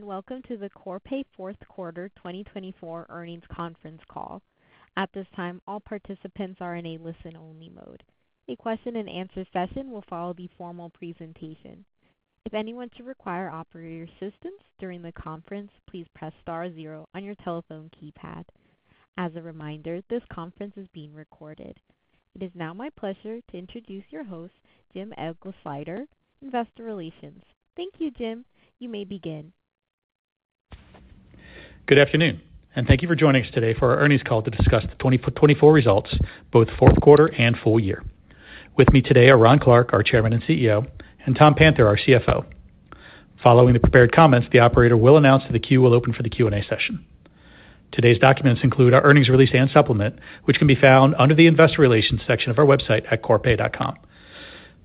Welcome to the Corpay Fourth Quarter 2024 Earnings Conference Call. At this time, all participants are in a listen-only mode. The question-and-answer session will follow the formal presentation. If anyone should require operator assistance during the conference, please press star zero on your telephone keypad. As a reminder, this conference is being recorded. It is now my pleasure to introduce your host, Jim Eglseder, Investor Relations. Thank you, Jim. You may begin. Good afternoon, and thank you for joining us today for our earnings call to discuss the 2024 results, both fourth quarter and full year. With me today are Ron Clarke, our Chairman and CEO, and Tom Panther, our CFO. Following the prepared comments, the operator will announce that the queue will open for the Q&A session. Today's documents include our earnings release and supplement, which can be found under the Investor Relations section of our website at corpay.com.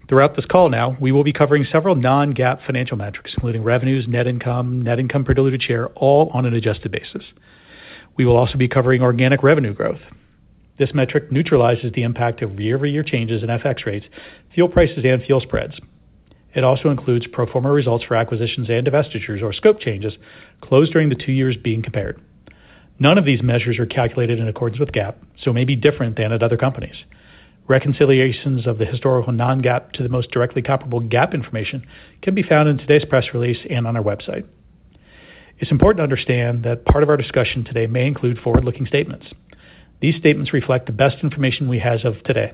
Throughout this call, now, we will be covering several non-GAAP financial metrics, including revenues, net income, net income per diluted share, all on an adjusted basis. We will also be covering organic revenue growth. This metric neutralizes the impact of year-over-year changes in FX rates, fuel prices, and fuel spreads. It also includes pro forma results for acquisitions and divestitures or scope changes closed during the two years being compared. None of these measures are calculated in accordance with GAAP, so may be different than at other companies. Reconciliations of the historical non-GAAP to the most directly comparable GAAP information can be found in today's press release and on our website. It's important to understand that part of our discussion today may include forward-looking statements. These statements reflect the best information we have as of today.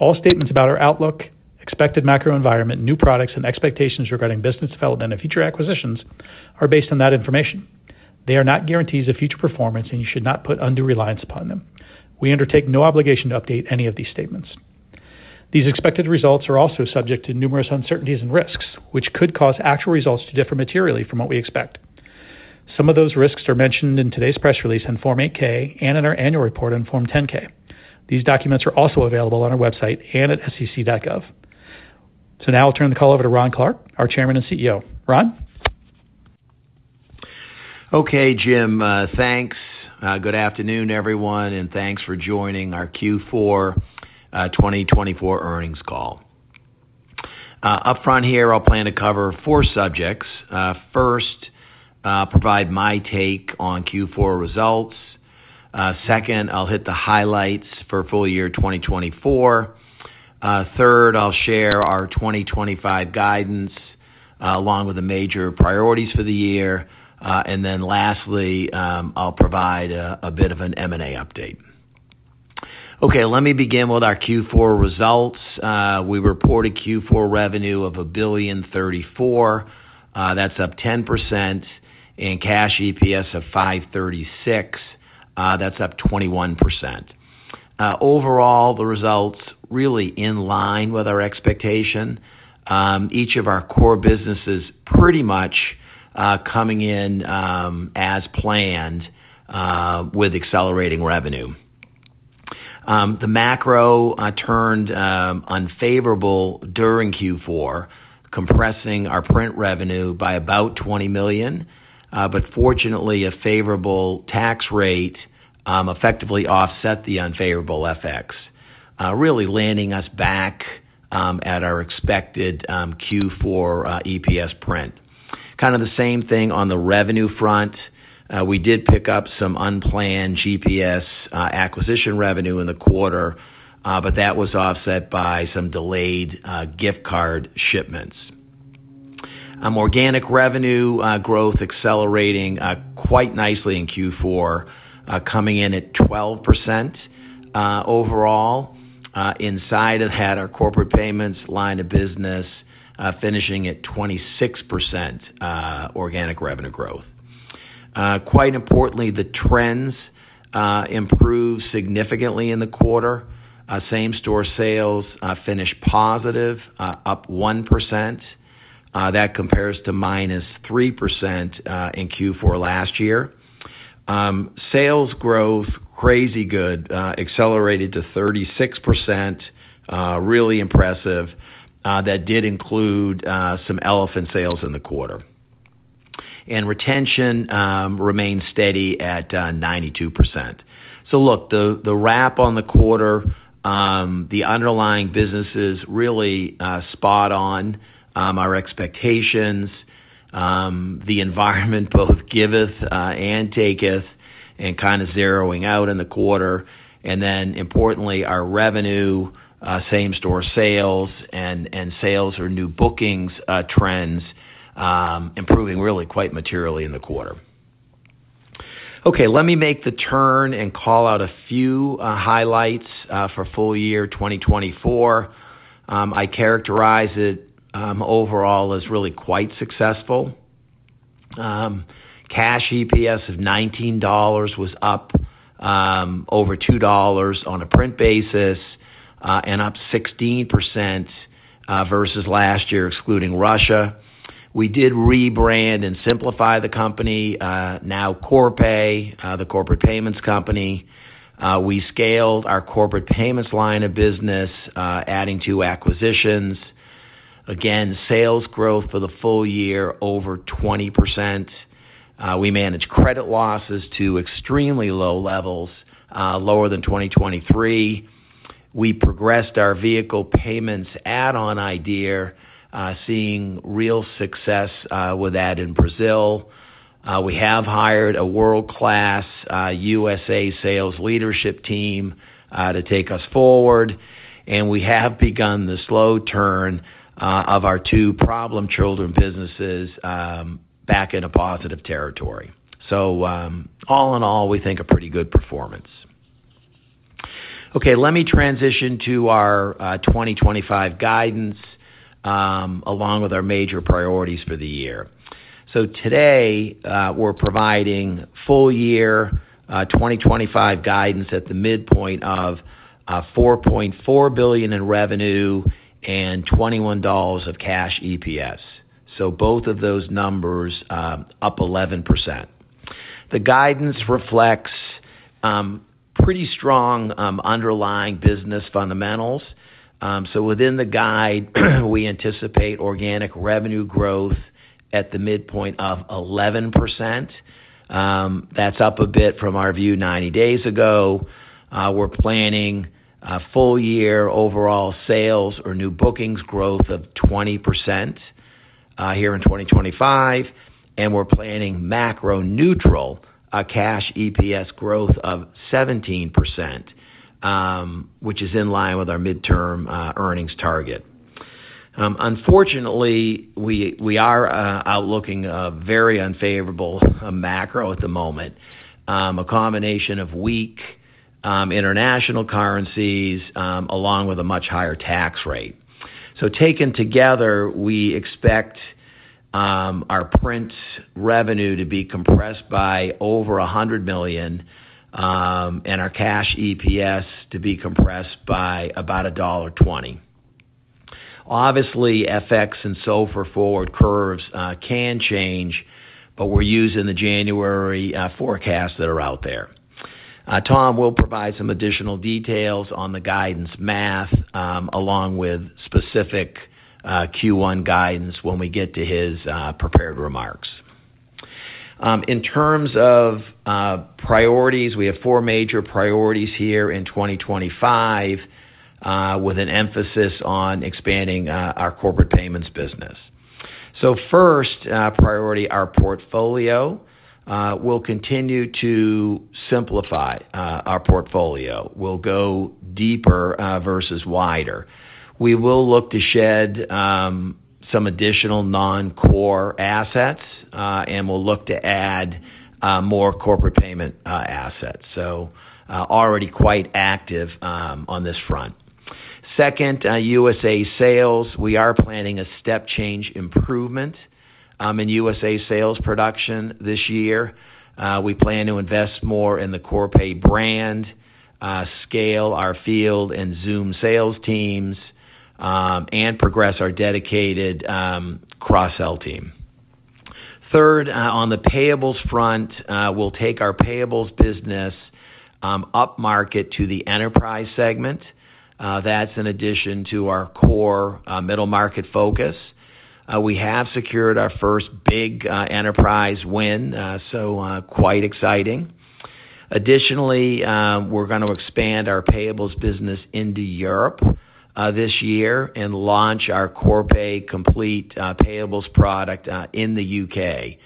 All statements about our outlook, expected macro environment, new products, and expectations regarding business development and future acquisitions are based on that information. They are not guarantees of future performance, and you should not put undue reliance upon them. We undertake no obligation to update any of these statements. These expected results are also subject to numerous uncertainties and risks, which could cause actual results to differ materially from what we expect. Some of those risks are mentioned in today's press release in Form 8-K and in our annual report in Form 10-K. These documents are also available on our website and at sec.gov. So now I'll turn the call over to Ron Clarke, our Chairman and CEO. Ron? Okay, Jim. Thanks. Good afternoon, everyone, and thanks for joining our Q4 2024 earnings call. Up front here, I'll plan to cover four subjects. First, provide my take on Q4 results. Second, I'll hit the highlights for full year 2024. Third, I'll share our 2025 guidance along with the major priorities for the year. And then lastly, I'll provide a bit of an M&A update. Okay, let me begin with our Q4 results. We reported Q4 revenue of $1.034 billion. That's up 10%, and cash EPS of $5.36. That's up 21%. Overall, the results really in line with our expectation. Each of our core businesses pretty much coming in as planned with accelerating revenue. The macro turned unfavorable during Q4, compressing our print revenue by about $20 million, but fortunately, a favorable tax rate effectively offset the unfavorable FX, really landing us back at our expected Q4 EPS print. Kind of the same thing on the revenue front. We did pick up some unplanned GPS acquisition revenue in the quarter, but that was offset by some delayed gift card shipments. Organic revenue growth accelerating quite nicely in Q4, coming in at 12% overall. Inside it had our corporate payments line of business finishing at 26% organic revenue growth. Quite importantly, the trends improved significantly in the quarter. Same-store sales finished positive, up 1%. That compares to minus 3% in Q4 last year. Sales growth, crazy good, accelerated to 36%, really impressive. That did include some elephant sales in the quarter, and retention remained steady at 92%. So look, the wrap on the quarter, the underlying businesses really spot on our expectations. The environment both giveth and taketh and kind of zeroing out in the quarter. Then importantly, our revenue, same-store sales and sales or new bookings trends improving really quite materially in the quarter. Okay, let me make the turn and call out a few highlights for full year 2024. I characterize it overall as really quite successful. Cash EPS of $19 was up over $2 on a print basis and up 16% versus last year, excluding Russia. We did rebrand and simplify the company, now Corpay, the corporate payments company. We scaled our corporate payments line of business, adding two acquisitions. Again, sales growth for the full year over 20%. We managed credit losses to extremely low levels, lower than 2023. We progressed our vehicle payments add-on idea, seeing real success with that in Brazil. We have hired a world-class USA sales leadership team to take us forward, and we have begun the slow turn of our two problem children businesses back in a positive territory. So all in all, we think a pretty good performance. Okay, let me transition to our 2025 guidance along with our major priorities for the year. So today, we're providing full year 2025 guidance at the midpoint of $4.4 billion in revenue and $21 of cash EPS. So both of those numbers up 11%. The guidance reflects pretty strong underlying business fundamentals. So within the guide, we anticipate organic revenue growth at the midpoint of 11%. That's up a bit from our view 90 days ago. We're planning full year overall sales or new bookings growth of 20% here in 2025, and we're planning macro neutral cash EPS growth of 17%, which is in line with our midterm earnings target. Unfortunately, we are outlooking a very unfavorable macro at the moment, a combination of weak international currencies along with a much higher tax rate. So taken together, we expect our print revenue to be compressed by over $100 million and our cash EPS to be compressed by about $1.20. Obviously, FX and so forth forward curves can change, but we're using the January forecasts that are out there. Tom will provide some additional details on the guidance math along with specific Q1 guidance when we get to his prepared remarks. In terms of priorities, we have four major priorities here in 2025 with an emphasis on expanding our corporate payments business. So first priority, our portfolio. We'll continue to simplify our portfolio. We'll go deeper versus wider. We will look to shed some additional non-core assets, and we'll look to add more corporate payment assets. So already quite active on this front. Second, USA sales. We are planning a step change improvement in USA sales production this year. We plan to invest more in the Corpay brand, scale our field and Zoom sales teams, and progress our dedicated cross-sell team. Third, on the payables front, we'll take our payables business up market to the enterprise segment. That's in addition to our core middle market focus. We have secured our first big enterprise win, so quite exciting. Additionally, we're going to expand our payables business into Europe this year and launch our Corpay Complete payables product in the U.K.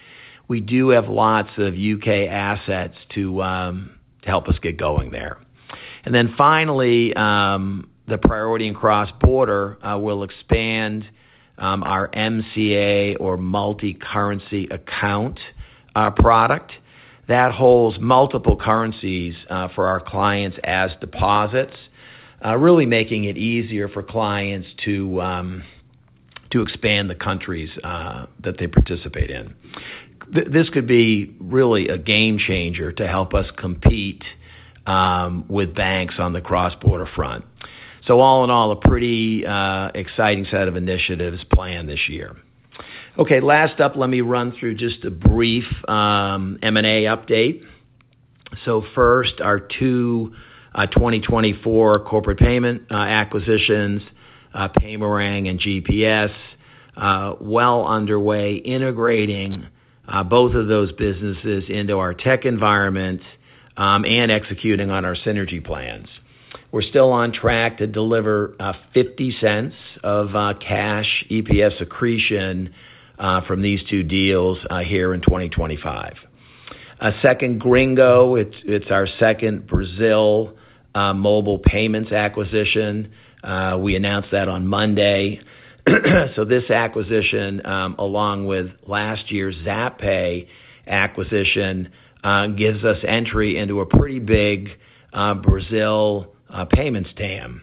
We do have lots of U.K. assets to help us get going there. And then finally, the priority in cross-border, we'll expand our MCA or Multi-Currency Account product that holds multiple currencies for our clients as deposits, really making it easier for clients to expand the countries that they participate in. This could be really a game changer to help us compete with banks on the cross-border front. So all in all, a pretty exciting set of initiatives planned this year. Okay, last up, let me run through just a brief M&A update. So first, our two 2024 corporate payment acquisitions, Paymerang and GPS, well underway, integrating both of those businesses into our tech environment and executing on our synergy plans. We're still on track to deliver $0.50 of Cash EPS accretion from these two deals here in 2025. Second, Gringo. It's our second Brazil mobile payments acquisition. We announced that on Monday. So this acquisition, along with last year's Zapay acquisition, gives us entry into a pretty big Brazil payments TAM.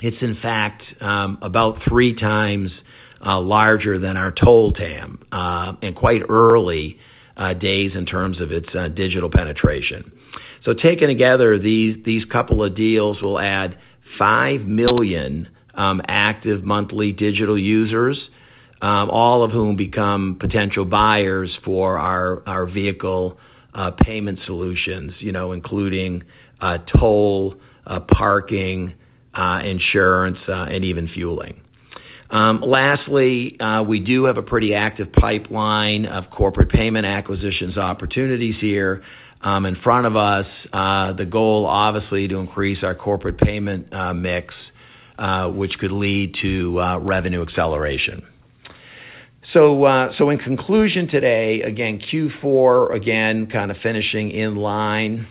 It's, in fact, about three times larger than our toll TAM and quite early days in terms of its digital penetration. So taken together, these couple of deals will add 5 million active monthly digital users, all of whom become potential buyers for our vehicle payment solutions, including toll, parking, insurance, and even fueling. Lastly, we do have a pretty active pipeline of corporate payment acquisitions opportunities here in front of us. The goal, obviously, to increase our corporate payment mix, which could lead to revenue acceleration. So in conclusion today, again, Q4, again, kind of finishing in line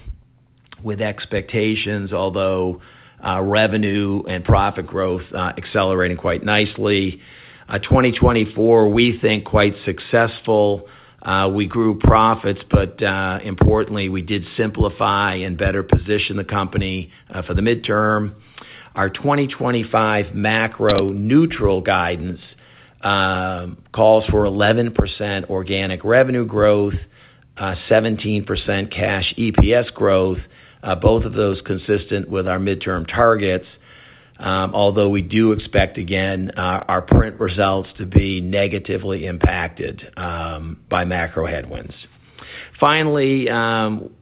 with expectations, although revenue and profit growth accelerating quite nicely. 2024, we think quite successful. We grew profits, but importantly, we did simplify and better position the company for the midterm. Our 2025 macro neutral guidance calls for 11% organic revenue growth, 17% Cash EPS growth, both of those consistent with our midterm targets, although we do expect, again, our print results to be negatively impacted by macro headwinds. Finally,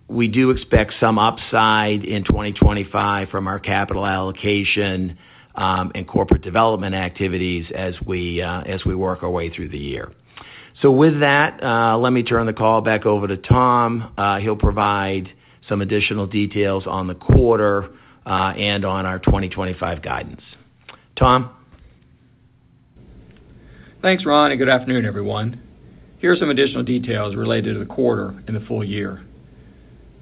we do expect some upside in 2025 from our capital allocation and corporate development activities as we work our way through the year. So with that, let me turn the call back over to Tom. He'll provide some additional details on the quarter and on our 2025 guidance. Tom. Thanks, Ron, and good afternoon, everyone. Here are some additional details related to the quarter and the full year.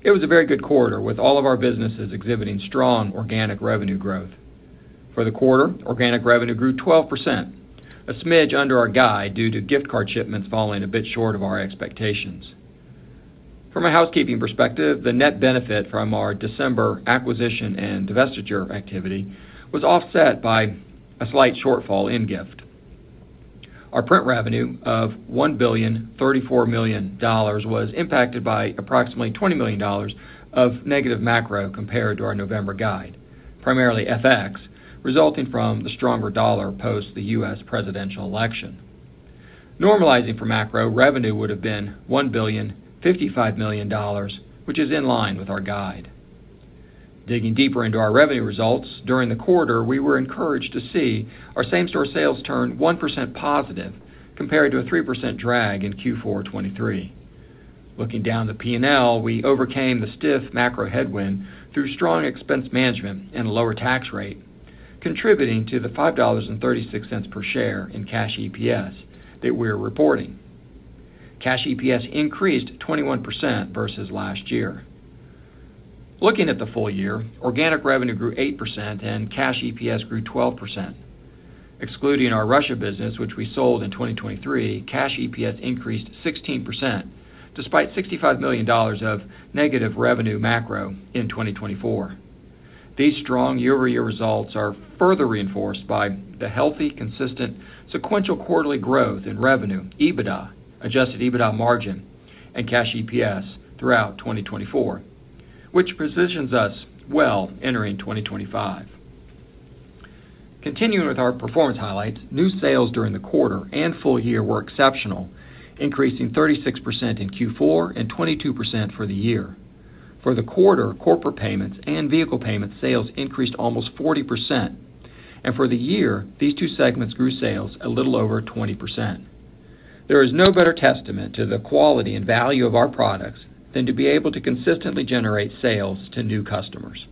It was a very good quarter with all of our businesses exhibiting strong organic revenue growth. For the quarter, organic revenue grew 12%, a smidge under our guide due to gift card shipments falling a bit short of our expectations. From a housekeeping perspective, the net benefit from our December acquisition and divestiture activity was offset by a slight shortfall in gift. Our print revenue of $1,034,000,000 was impacted by approximately $20 million of negative macro compared to our November guide, primarily FX, resulting from the stronger dollar post the U.S. presidential election. Normalizing for macro, revenue would have been $1,055,000,000, which is in line with our guide. Digging deeper into our revenue results during the quarter, we were encouraged to see our Same-Store Sales turn 1% positive compared to a 3% drag in Q4 2023. Looking down the P&L, we overcame the stiff macro headwind through strong expense management and a lower tax rate, contributing to the $5.36 per share in Cash EPS that we're reporting. Cash EPS increased 21% versus last year. Looking at the full year, organic revenue grew 8% and Cash EPS grew 12%. Excluding our Russia business, which we sold in 2023, Cash EPS increased 16% despite $65 million of negative revenue macro in 2024. These strong year-over-year results are further reinforced by the healthy, consistent, sequential quarterly growth in revenue, EBITDA, Adjusted EBITDA margin, and Cash EPS throughout 2024, which positions us well entering 2025. Continuing with our performance highlights, new sales during the quarter and full year were exceptional, increasing 36% in Q4 and 22% for the year. For the quarter, corporate payments and vehicle payments sales increased almost 40%. And for the year, these two segments grew sales a little over 20%. There is no better testament to the quality and value of our products than to be able to consistently generate sales to new customers.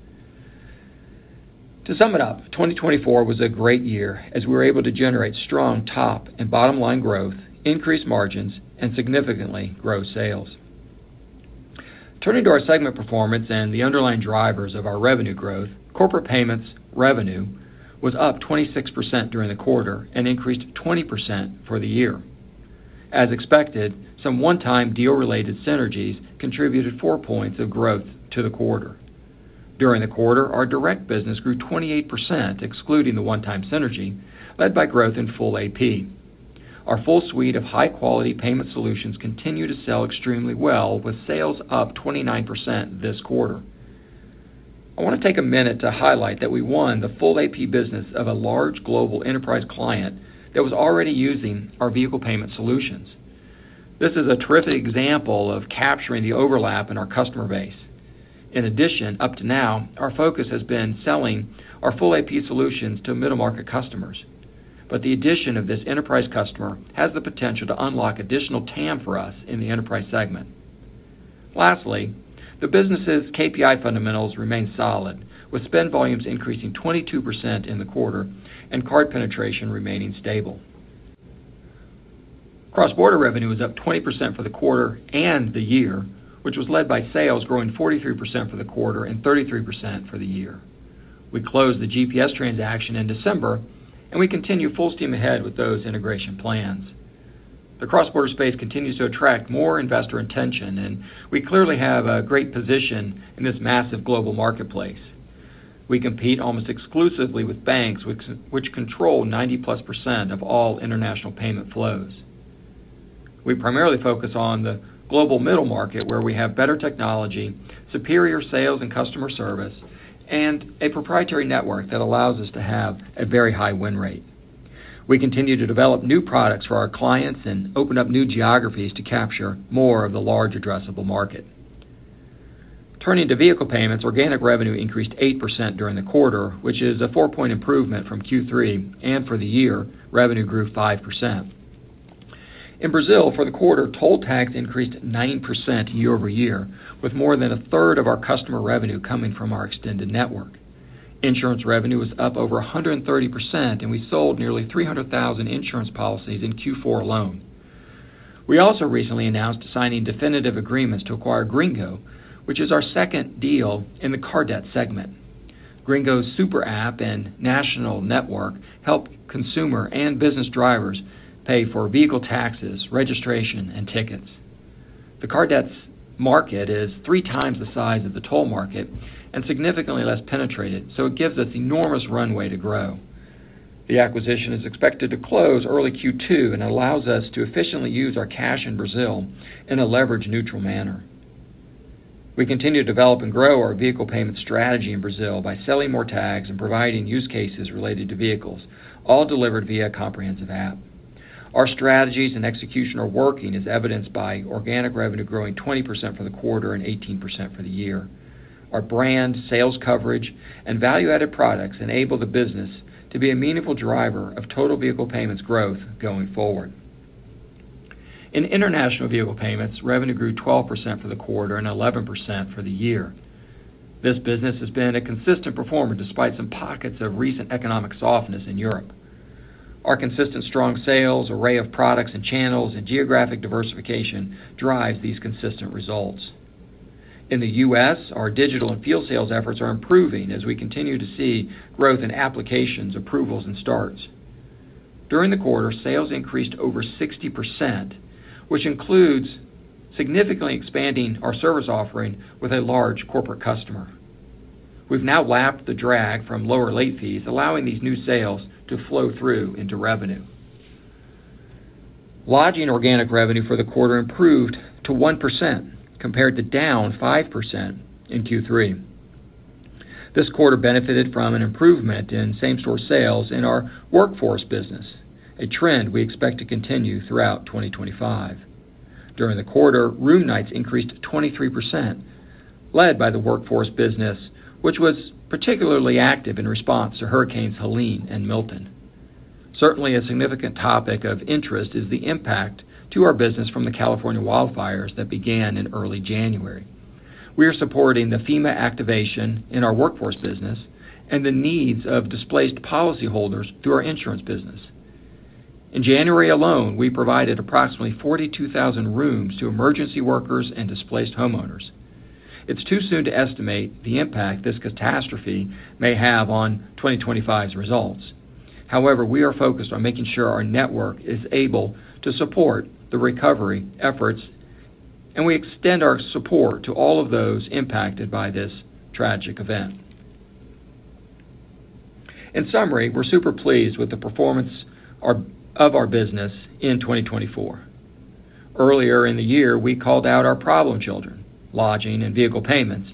To sum it up, 2024 was a great year as we were able to generate strong top and bottom line growth, increase margins, and significantly grow sales. Turning to our segment performance and the underlying drivers of our revenue growth, corporate payments revenue was up 26% during the quarter and increased 20% for the year. As expected, some one-time deal-related synergies contributed four points of growth to the quarter. During the quarter, our direct business grew 28%, excluding the one-time synergy, led by growth in full AP. Our full suite of high-quality payment solutions continued to sell extremely well, with sales up 29% this quarter. I want to take a minute to highlight that we won the full AP business of a large global enterprise client that was already using our vehicle payment solutions. This is a terrific example of capturing the overlap in our customer base. In addition, up to now, our focus has been selling our full AP solutions to middle market customers. But the addition of this enterprise customer has the potential to unlock additional TAM for us in the enterprise segment. Lastly, the business's KPI fundamentals remain solid, with spend volumes increasing 22% in the quarter and card penetration remaining stable. Cross-border revenue was up 20% for the quarter and the year, which was led by sales growing 43% for the quarter and 33% for the year. We closed the GPS transaction in December, and we continue full steam ahead with those integration plans. The cross-border space continues to attract more investor attention, and we clearly have a great position in this massive global marketplace. We compete almost exclusively with banks, which control 90-plus% of all international payment flows. We primarily focus on the global middle market, where we have better technology, superior sales and customer service, and a proprietary network that allows us to have a very high win rate. We continue to develop new products for our clients and open up new geographies to capture more of the large addressable market. Turning to vehicle payments, organic revenue increased 8% during the quarter, which is a four-point improvement from Q3, and for the year, revenue grew 5%. In Brazil, for the quarter, toll tags increased 9% year-over-year, with more than a third of our customer revenue coming from our extended network. Insurance revenue was up over 130%, and we sold nearly 300,000 insurance policies in Q4 alone. We also recently announced signing definitive agreements to acquire Gringo, which is our second deal in the car debt segment. Gringo's Super App and National Network help consumer and business drivers pay for vehicle taxes, registration, and tickets. The car debt market is three times the size of the toll market and significantly less penetrated, so it gives us enormous runway to grow. The acquisition is expected to close early Q2 and allows us to efficiently use our cash in Brazil in a leverage-neutral manner. We continue to develop and grow our vehicle payment strategy in Brazil by selling more tags and providing use cases related to vehicles, all delivered via a comprehensive app. Our strategies and execution are working, as evidenced by organic revenue growing 20% for the quarter and 18% for the year. Our brand, sales coverage, and value-added products enable the business to be a meaningful driver of total vehicle payments growth going forward. In international vehicle payments, revenue grew 12% for the quarter and 11% for the year. This business has been a consistent performer despite some pockets of recent economic softness in Europe. Our consistent, strong sales, array of products and channels, and geographic diversification drives these consistent results. In the U.S., our digital and fuel sales efforts are improving as we continue to see growth in applications, approvals, and starts. During the quarter, sales increased over 60%, which includes significantly expanding our service offering with a large corporate customer. We've now lapped the drag from lower late fees, allowing these new sales to flow through into revenue. Lodging organic revenue for the quarter improved to 1% compared to down 5% in Q3. This quarter benefited from an improvement in same-store sales in our workforce business, a trend we expect to continue throughout 2025. During the quarter, room nights increased 23%, led by the workforce business, which was particularly active in response to Hurricanes Helene and Milton. Certainly, a significant topic of interest is the impact to our business from the California wildfires that began in early January. We are supporting the FEMA activation in our workforce business and the needs of displaced policyholders through our insurance business. In January alone, we provided approximately 42,000 rooms to emergency workers and displaced homeowners. It's too soon to estimate the impact this catastrophe may have on 2025's results. However, we are focused on making sure our network is able to support the recovery efforts, and we extend our support to all of those impacted by this tragic event. In summary, we're super pleased with the performance of our business in 2024. Earlier in the year, we called out our problem children, lodging and vehicle payments,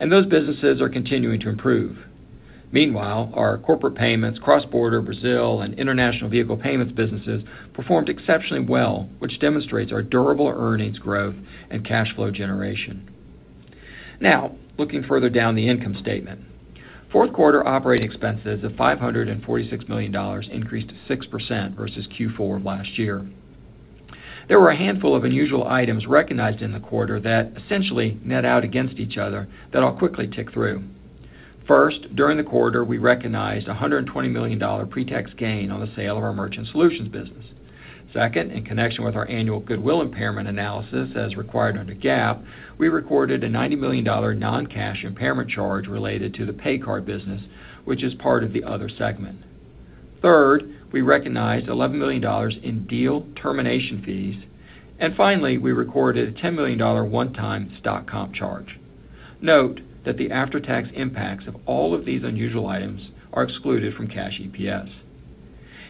and those businesses are continuing to improve. Meanwhile, our corporate payments, cross-border Brazil, and international vehicle payments businesses performed exceptionally well, which demonstrates our durable earnings growth and cash flow generation. Now, looking further down the income statement, fourth quarter operating expenses of $546 million increased 6% versus Q4 of last year. There were a handful of unusual items recognized in the quarter that essentially net out against each other that I'll quickly tick through. First, during the quarter, we recognized a $120 million pre-tax gain on the sale of our merchant solutions business. Second, in connection with our annual goodwill impairment analysis as required under GAAP, we recorded a $90 million non-cash impairment charge related to the pay card business, which is part of the other segment. Third, we recognized $11 million in deal termination fees. And finally, we recorded a $10 million one-time stock comp charge. Note that the after-tax impacts of all of these unusual items are excluded from cash EPS.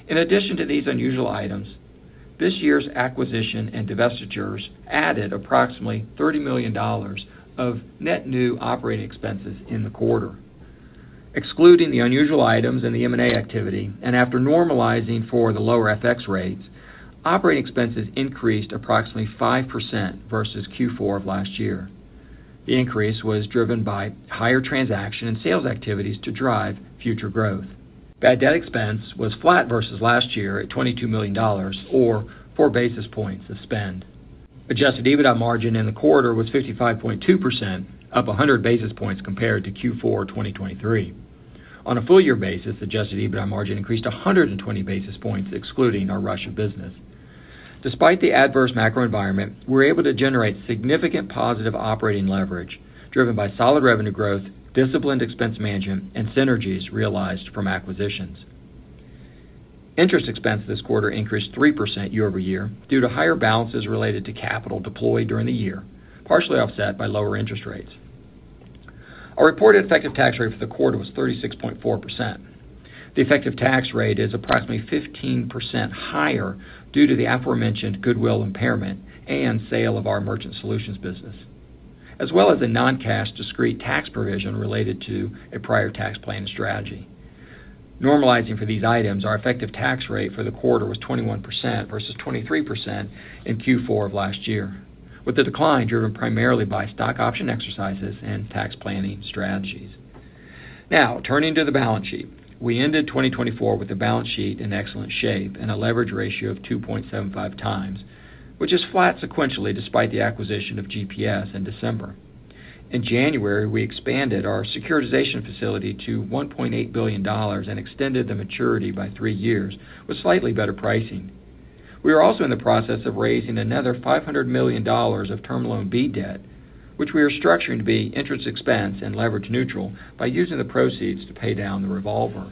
In addition to these unusual items, this year's acquisition and divestitures added approximately $30 million of net new operating expenses in the quarter. Excluding the unusual items and the M&A activity, and after normalizing for the lower FX rates, operating expenses increased approximately 5% versus Q4 of last year. The increase was driven by higher transaction and sales activities to drive future growth. Bad debt expense was flat versus last year at $22 million, or four basis points of spend. Adjusted EBITDA margin in the quarter was 55.2%, up 100 basis points compared to Q4 2023. On a full-year basis, adjusted EBITDA margin increased 120 basis points, excluding our Russia business. Despite the adverse macro environment, we were able to generate significant positive operating leverage driven by solid revenue growth, disciplined expense management, and synergies realized from acquisitions. Interest expense this quarter increased 3% year-over-year due to higher balances related to capital deployed during the year, partially offset by lower interest rates. Our reported effective tax rate for the quarter was 36.4%. The effective tax rate is approximately 15% higher due to the aforementioned goodwill impairment and sale of our merchant solutions business, as well as the non-cash discrete tax provision related to a prior tax planning strategy. Normalizing for these items, our effective tax rate for the quarter was 21% versus 23% in Q4 of last year, with the decline driven primarily by stock option exercises and tax planning strategies. Now, turning to the balance sheet, we ended 2024 with the balance sheet in excellent shape and a leverage ratio of 2.75 times, which is flat sequentially despite the acquisition of GPS in December. In January, we expanded our securitization facility to $1.8 billion and extended the maturity by three years with slightly better pricing. We are also in the process of raising another $500 million of Term Loan B debt, which we are structuring to be interest expense and leverage neutral by using the proceeds to pay down the revolver.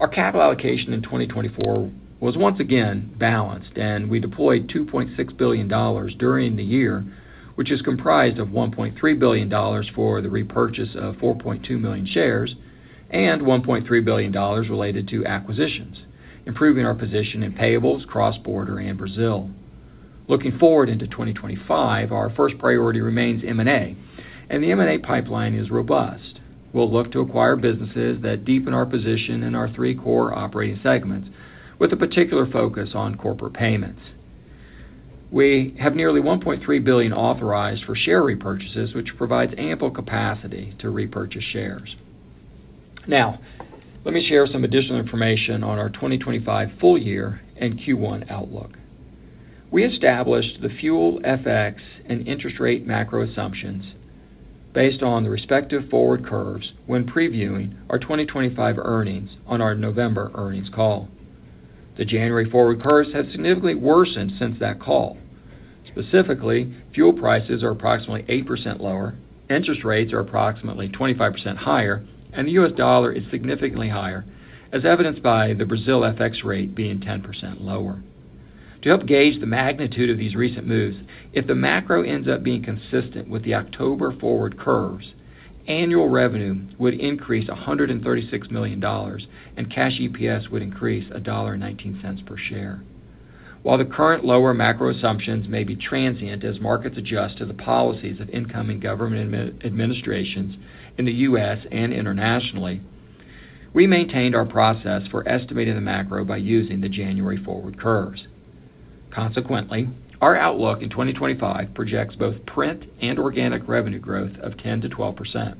Our capital allocation in 2024 was once again balanced, and we deployed $2.6 billion during the year, which is comprised of $1.3 billion for the repurchase of 4.2 million shares and $1.3 billion related to acquisitions, improving our position in payables, cross-border, and Brazil. Looking forward into 2025, our first priority remains M&A, and the M&A pipeline is robust. We'll look to acquire businesses that deepen our position in our three core operating segments, with a particular focus on corporate payments. We have nearly $1.3 billion authorized for share repurchases, which provides ample capacity to repurchase shares. Now, let me share some additional information on our 2025 full year and Q1 outlook. We established the fuel FX and interest rate macro assumptions based on the respective forward curves when previewing our 2025 earnings on our November earnings call. The January forward curves have significantly worsened since that call. Specifically, fuel prices are approximately 8% lower, interest rates are approximately 25% higher, and the U.S. dollar is significantly higher, as evidenced by the Brazil FX rate being 10% lower. To help gauge the magnitude of these recent moves, if the macro ends up being consistent with the October forward curves, annual revenue would increase $136 million, and Cash EPS would increase $1.19 per share. While the current lower macro assumptions may be transient as markets adjust to the policies of incoming government administrations in the U.S. and internationally, we maintained our process for estimating the macro by using the January forward curves. Consequently, our outlook in 2025 projects both print and organic revenue growth of 10%-12%.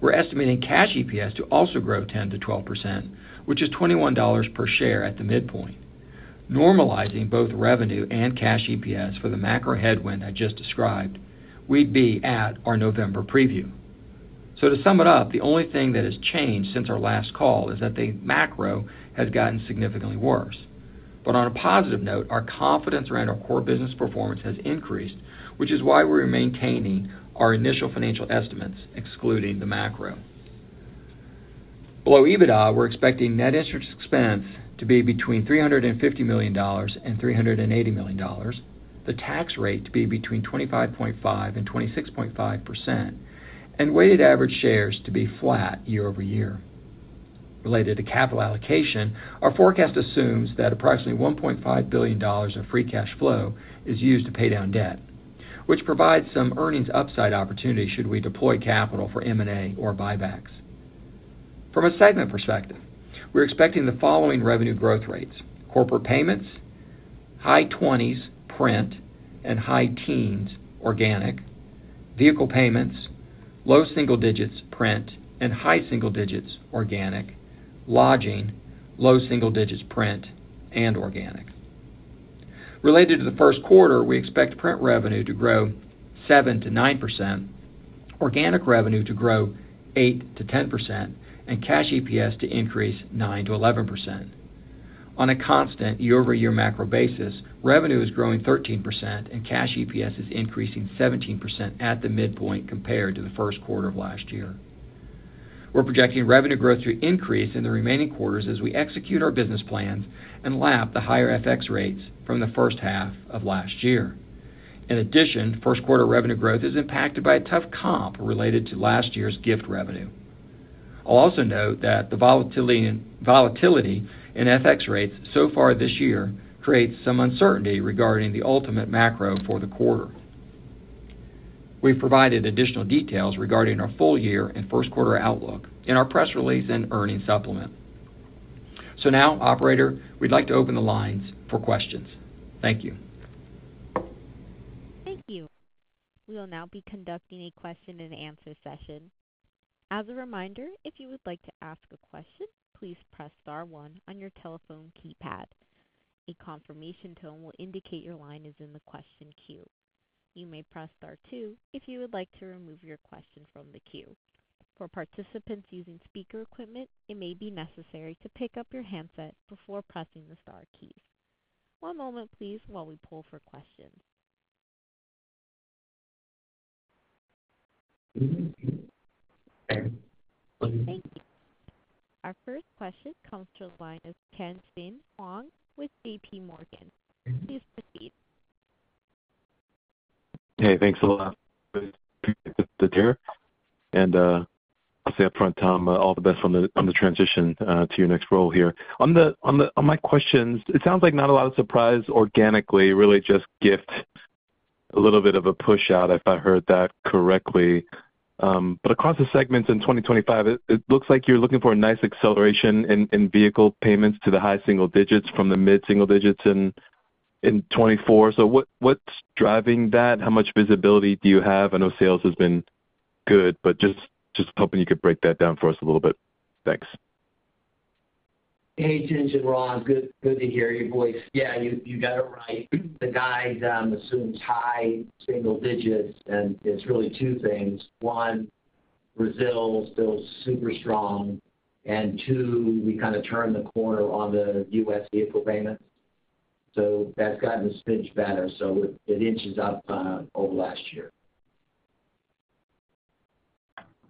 We're estimating cash EPS to also grow 10%-12%, which is $21 per share at the midpoint. Normalizing both revenue and cash EPS for the macro headwind I just described, we'd be at our November preview. So, to sum it up, the only thing that has changed since our last call is that the macro has gotten significantly worse. But on a positive note, our confidence around our core business performance has increased, which is why we're maintaining our initial financial estimates, excluding the macro. Below EBITDA, we're expecting net interest expense to be between $350 million and $380 million, the tax rate to be between 25.5% and 26.5%, and weighted average shares to be flat year-over-year. Related to capital allocation, our forecast assumes that approximately $1.5 billion of free cash flow is used to pay down debt, which provides some earnings upside opportunity should we deploy capital for M&A or buybacks. From a segment perspective, we're expecting the following revenue growth rates: corporate payments, high 20s print, and high teens organic. Vehicle payments, low single digits print, and high single digits organic. Lodging, low single digits print, and organic. Related to the first quarter, we expect print revenue to grow 7%-9%, organic revenue to grow 8%-10%, and cash EPS to increase 9%-11%. On a constant year-over-year macro basis, revenue is growing 13%, and cash EPS is increasing 17% at the midpoint compared to the first quarter of last year. We're projecting revenue growth to increase in the remaining quarters as we execute our business plans and lap the higher FX rates from the first half of last year. In addition, first quarter revenue growth is impacted by a tough comp related to last year's gift revenue. I'll also note that the volatility in FX rates so far this year creates some uncertainty regarding the ultimate macro for the quarter. We've provided additional details regarding our full year and first quarter outlook in our press release and earnings supplement. So now, operator, we'd like to open the lines for questions. Thank you. Thank you. We will now be conducting a question-and-answer session. As a reminder, if you would like to ask a question, please press star one on your telephone keypad. A confirmation tone will indicate your line is in the question queue. You may press star two if you would like to remove your question from the queue. For participants using speaker equipment, it may be necessary to pick up your handset before pressing the star keys. One moment, please, while we poll for questions. Thank you. Our first question comes from the line of Tien-tsin Huang with J.P. Morgan. Please proceed. Hey, thanks a lot. Good to be with you here. And I'll say upfront, Tom, all the best on the transition to your next role here. On my questions, it sounds like not a lot of surprise organically, really just a little bit of a push out, if I heard that correctly. But across the segments in 2025, it looks like you're looking for a nice acceleration in vehicle payments to the high single digits from the mid single digits in 2024. So what's driving that? How much visibility do you have? I know sales has been good, but just hoping you could break that down for us a little bit. Thanks. Hey, Jim and Ron, good to hear your voice. Yeah, you got it right. The guide, I'm assuming, is high single digits, and it's really two things. One, Brazil is still super strong. And two, we kind of turned the corner on the U.S. vehicle payments. So that's gotten a smidge better. So it inches up over last year.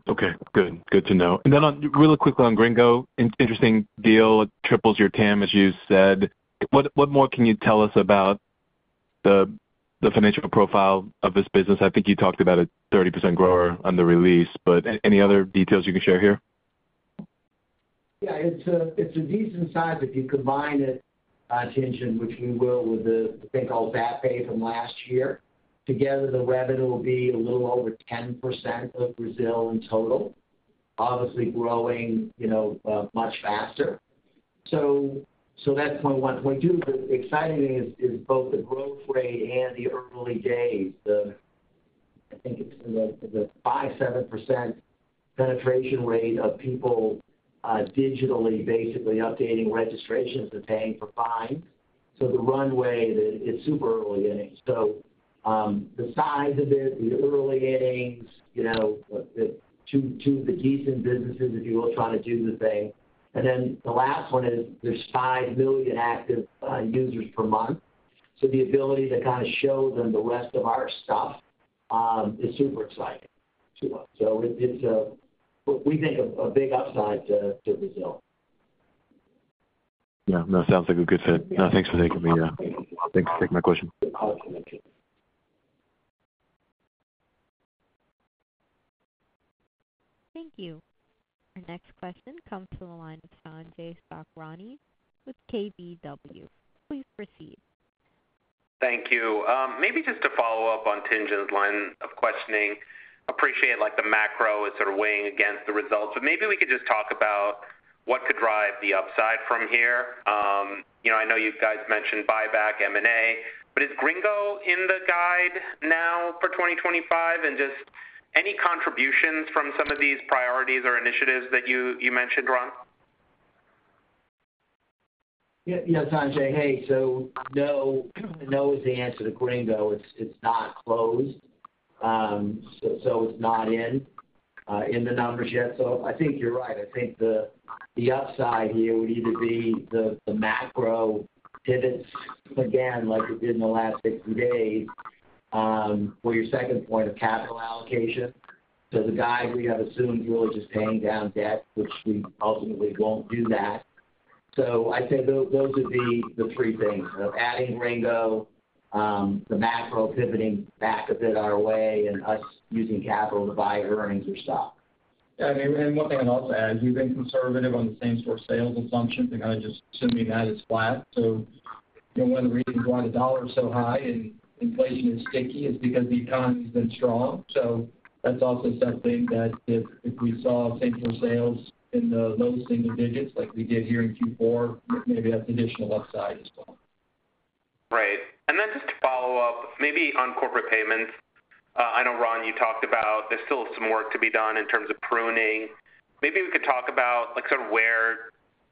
Okay. Good. Good to know. And then really quickly on Gringo, interesting deal, triples your TAM, as you said. What more can you tell us about the financial profile of this business? I think you talked about a 30% grower on the release, but any other details you can share here? Yeah, it's a decent size if you combine it, Gringo, which we will with the thing called Zapay from last year. Together, the revenue will be a little over 10% of Brazil in total, obviously growing much faster. So that's point one. Point two, the exciting thing is both the growth rate and the early days. I think it's in the 5%, 7% penetration rate of people digitally basically updating registrations and paying for fines. So the runway, it's super early in it. So the size of it, the early innings, the two of the decent businesses, if you will, trying to do the thing. And then the last one is there's five million active users per month. So the ability to kind of show them the rest of our stuff is super exciting to us. So we think of a big upside to Brazil. Yeah. No, it sounds like a good fit. No, thanks for taking me. Thanks for taking my question. Thank you. Our next question comes to the line of Sanjay Sakhrani with KBW. Please proceed. Thank you. Maybe just to follow up on Tien-tsin's line of questioning, appreciate the macro is sort of weighing against the results, but maybe we could just talk about what could drive the upside from here. I know you guys mentioned buyback, M&A, but is Gringo in the guide now for 2025? And just any contributions from some of these priorities or initiatives that you mentioned, Ron? Yeah, Sanjay, hey, so no is the answer to Gringo. It's not closed. So it's not in the numbers yet. So I think you're right. I think the upside here would either be the macro pivots again, like it did in the last 60 days, or your second point of capital allocation. So the guide we have assumed is really just paying down debt, which we ultimately won't do that. So I'd say those would be the three things: adding Gringo, the macro pivoting back a bit our way, and us using capital to buy earnings or stock. Yeah. And one thing I'll also add is we've been conservative on the same-store sales assumptions and kind of just assuming that is flat. So one of the reasons why the dollar is so high and inflation is sticky is because the economy has been strong. So that's also something that if we saw same-store sales in the low single digits like we did here in Q4, maybe that's additional upside as well. Right. And then just to follow up, maybe on corporate payments, I know, Ron, you talked about there's still some work to be done in terms of pruning. Maybe we could talk about sort of where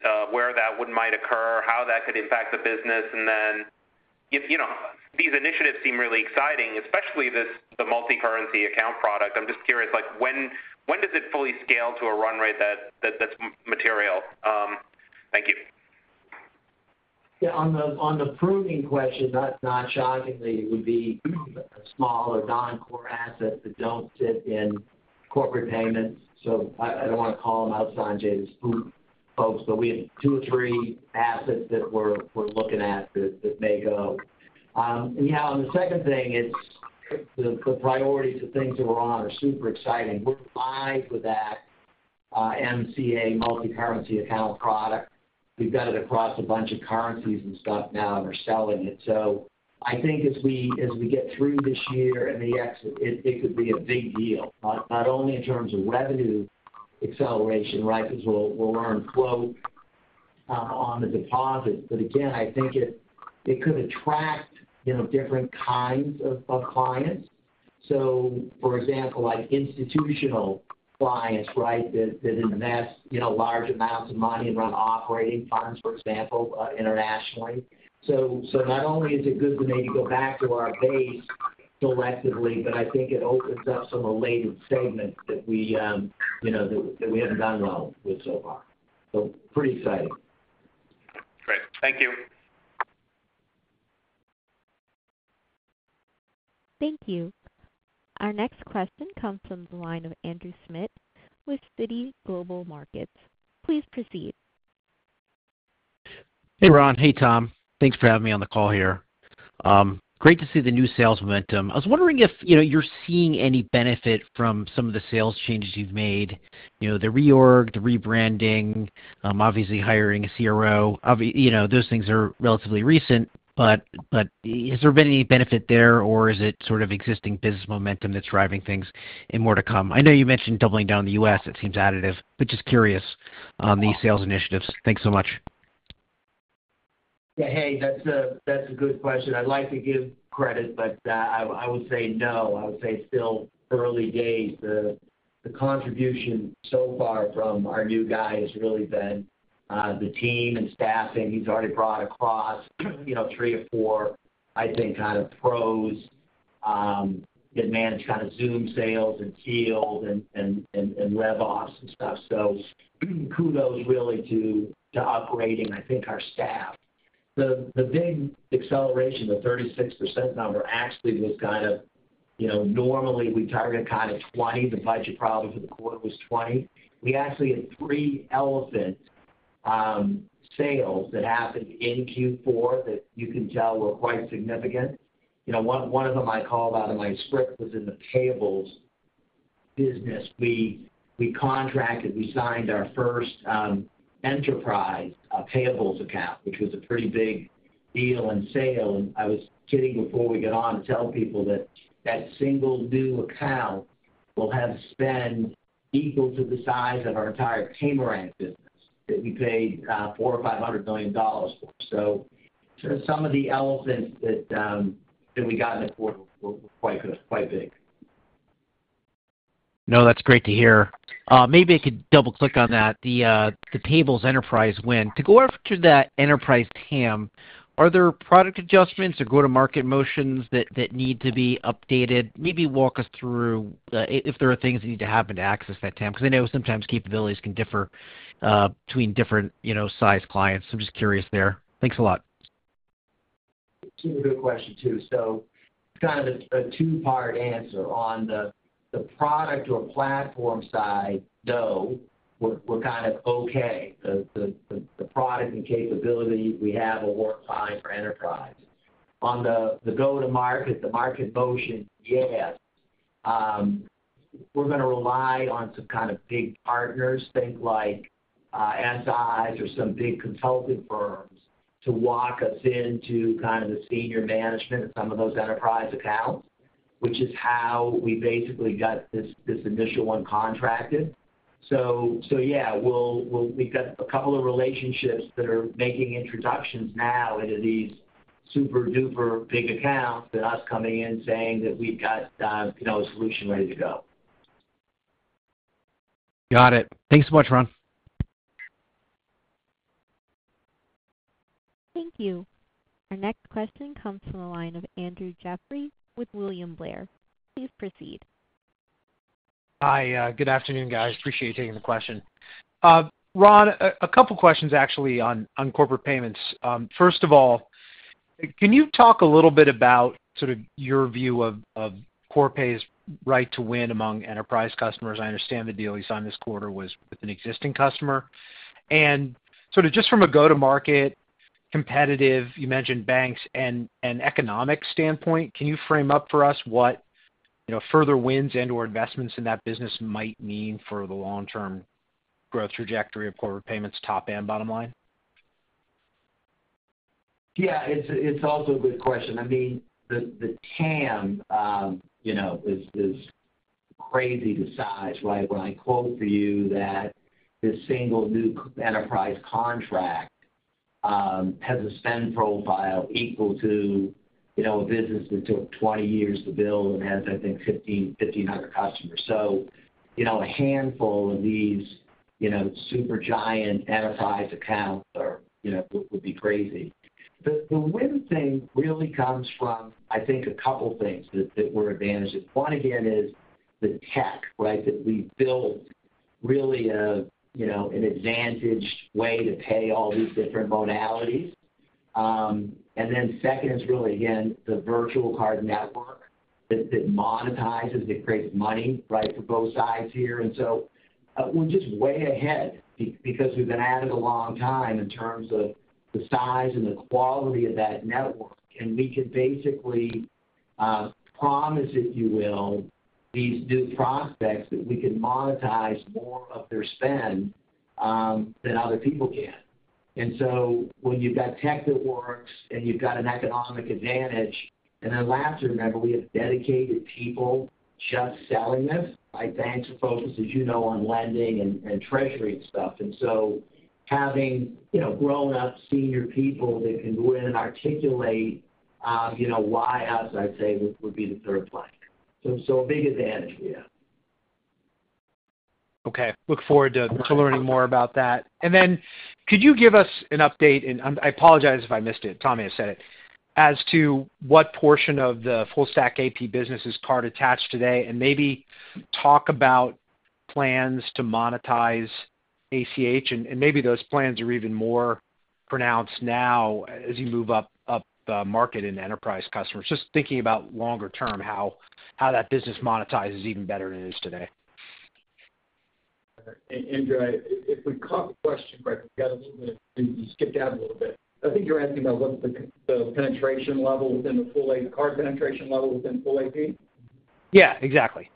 that might occur, how that could impact the business. And then these initiatives seem really exciting, especially the multi-currency account product. I'm just curious, when does it fully scale to a run rate that's material? Thank you. Yeah. On the pruning question, not shockingly, it would be small or non-core assets that don't sit in corporate payments. So I don't want to call them outside the scope, folks, but we have two or three assets that we're looking at that may go. And yeah, the second thing is the priorities of things that we're on are super exciting. We're live with that MCA multi-currency account product. We've got it across a bunch of currencies and stuff now and are selling it. So I think as we get through this year and the exit, it could be a big deal, not only in terms of revenue acceleration, right, because we'll earn quote on the deposits. But again, I think it could attract different kinds of clients. So for example, institutional clients, right, that invest large amounts of money and run operating funds, for example, internationally. So not only is it good to maybe go back to our base selectively, but I think it opens up some related segments that we haven't done well with so far. So pretty exciting. Great. Thank you. Thank you. Our next question comes from the line of Andrew Schmidt with Citi Global Markets. Please proceed. Hey, Ron. Hey, Tom. Thanks for having me on the call here. Great to see the new sales momentum. I was wondering if you're seeing any benefit from some of the sales changes you've made, the reorg, the rebranding, obviously hiring a CRO. Those things are relatively recent, but has there been any benefit there, or is it sort of existing business momentum that's driving things and more to come? I know you mentioned doubling down in the U.S. It seems additive, but just curious on these sales initiatives. Thanks so much. Yeah. Hey, that's a good question. I'd like to give credit, but I would say no. I would say still early days. The contribution so far from our new guy has really been the team and staffing. He's already brought across three or four, I think, kind of pros that manage kind of Zoom sales and field and RevOps and stuff. So kudos really to upgrading, I think, our staff. The big acceleration, the 36% number, actually was kind of normally we target kind of 20%. The budget probably for the quarter was 20%. We actually had three elephant sales that happened in Q4 that you can tell were quite significant. One of them I called out of my script was in the payables business. We contracted, we signed our first enterprise payables account, which was a pretty big deal and sale. And I was kidding before we got on to tell people that that single new account will have spend equal to the size of our entire Paymorang business that we paid $400 million-$500 million for. So some of the elephants that we got in the quarter were quite big. No, that's great to hear. Maybe I could double-click on that. The payables enterprise win. To go after that enterprise TAM, are there product adjustments or go-to-market motions that need to be updated? Maybe walk us through if there are things that need to happen to access that TAM, because I know sometimes capabilities can differ between different size clients. I'm just curious there. Thanks a lot. That's a good question too. So kind of a two-part answer on the product or platform side, though, we're kind of okay. The product and capability we have will work fine for enterprise. On the go-to-market, the market motion, yeah. We're going to rely on some kind of big partners, think like SIs or some big consulting firms, to walk us into kind of the senior management and some of those enterprise accounts, which is how we basically got this initial one contracted. So yeah, we've got a couple of relationships that are making introductions now into these super duper big accounts and us coming in saying that we've got a solution ready to go. Got it. Thanks so much, Ron. Thank you. Our next question comes from the line of Andrew Jeffrey with William Blair. Please proceed. Hi. Good afternoon, guys. Appreciate you taking the question. Ron, a couple of questions actually on corporate payments. First of all, can you talk a little bit about sort of your view of Corpay's right to win among enterprise customers? I understand the deal you signed this quarter was with an existing customer. And sort of just from a go-to-market competitive, you mentioned banks and economic standpoint, can you frame up for us what further wins and/or investments in that business might mean for the long-term growth trajectory of corporate payments, top and bottom line? Yeah. It's also a good question. I mean, the TAM is crazy to size, right? When I quote for you that this single new enterprise contract has a spend profile equal to a business that took 20 years to build and has, I think, 1,500 customers. So a handful of these super giant enterprise accounts would be crazy. The win thing really comes from, I think, a couple of things that we're advantaged in. One again is the tech, right, that we build really an advantaged way to pay all these different modalities. And then second is really, again, the virtual card network that monetizes, that creates money, right, for both sides here. And so we're just way ahead because we've been at it a long time in terms of the size and the quality of that network. And we can basically promise, if you will, these new prospects that we can monetize more of their spend than other people can. And so when you've got tech that works and you've got an economic advantage. And then lastly, remember, we have dedicated people just selling this, right? Banks are focused, as you know, on lending and treasury and stuff. And so having grown-up, senior people that can go in and articulate why us, I'd say, would be the third play. So a big advantage we have. Okay. Look forward to learning more about that. And then could you give us an update? And I apologize if I missed it. Tom has said it. As to what portion of the full-stack AP business is card attached today and maybe talk about plans to monetize ACH. And maybe those plans are even more pronounced now as you move up the market in enterprise customers. Just thinking about longer term, how that business monetizes even better than it is today. Andrew, if we caught the question correctly, we got a little bit of you skipped out a little bit. I think you're asking about what's the penetration level within the full card penetration level within full AP? Yeah, exactly.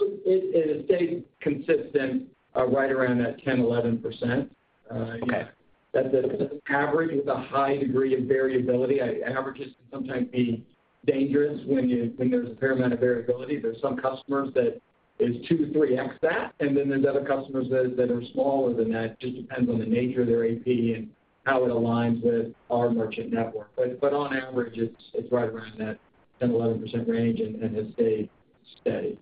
It stays consistent right around that 10%-11%. That's an average with a high degree of variability. Averages can sometimes be dangerous when there's a fair amount of variability. There's some customers that is two to three X that, and then there's other customers that are smaller than that. It just depends on the nature of their AP and how it aligns with our merchant network. But on average, it's right around that 10%-11% range and has stayed steady.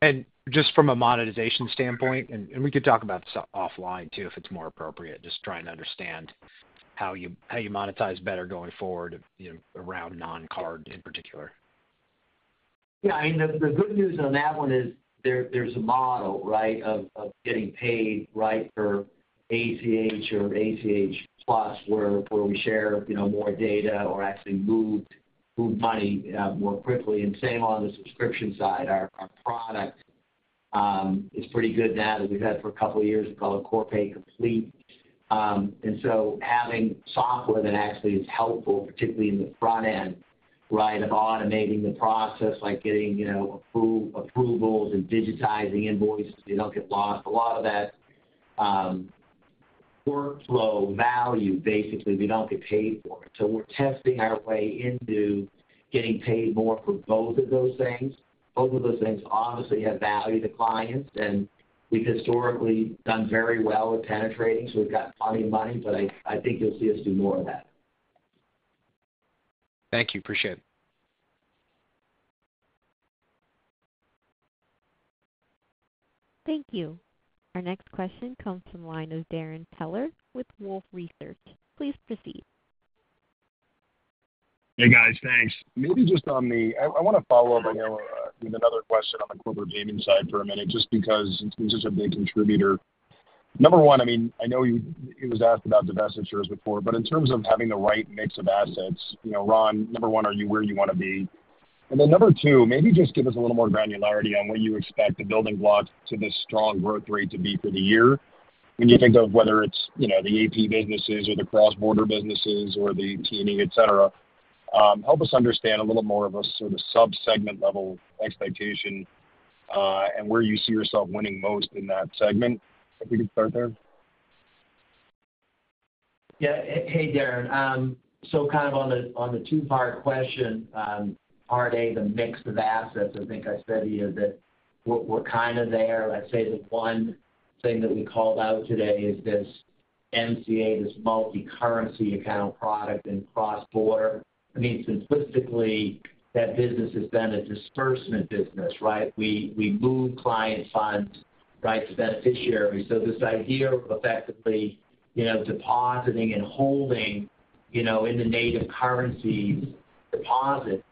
And just from a monetization standpoint, and we could talk about this offline too if it's more appropriate, just trying to understand how you monetize better going forward around non-card in particular. Yeah. I mean, the good news on that one is there's a model, right, of getting paid right for ACH or ACH Plus where we share more data or actually move money more quickly. And same on the subscription side. Our product is pretty good now that we've had for a couple of years. We call it Corpay Complete. And so having software that actually is helpful, particularly in the front end, right, of automating the process, like getting approvals and digitizing invoices, they don't get lost. A lot of that workflow value, basically, they don't get paid for. So we're testing our way into getting paid more for both of those things. Both of those things obviously have value to clients, and we've historically done very well at penetrating, so we've got plenty of money, but I think you'll see us do more of that. Thank you. Appreciate it. Thank you. Our next question comes from the line of Darrin Peller with Wolfe Research. Please proceed. Hey, guys. Thanks. Maybe just on the, I want to follow up with another question on the corporate payments side for a minute just because this is a big contributor. Number one, I mean, I know you was asked about divestitures before, but in terms of having the right mix of assets, Ron, number one, are you where you want to be? And then number two, maybe just give us a little more granularity on what you expect the building block to this strong growth rate to be for the year when you think of whether it's the AP businesses or the cross-border businesses or the T&E, etc. Help us understand a little more of a sort of sub-segment level expectation and where you see yourself winning most in that segment. If we could start there. Yeah. Hey, Darrin. So kind of on the two-part question, part A, the mix of assets, I think I said to you that we're kind of there. I'd say the one thing that we called out today is this MCA, this multi-currency account product and cross-border. I mean, simplistically, that business has been a disbursement business, right? We move client funds, right, to beneficiaries. So this idea of effectively depositing and holding in the native currencies deposit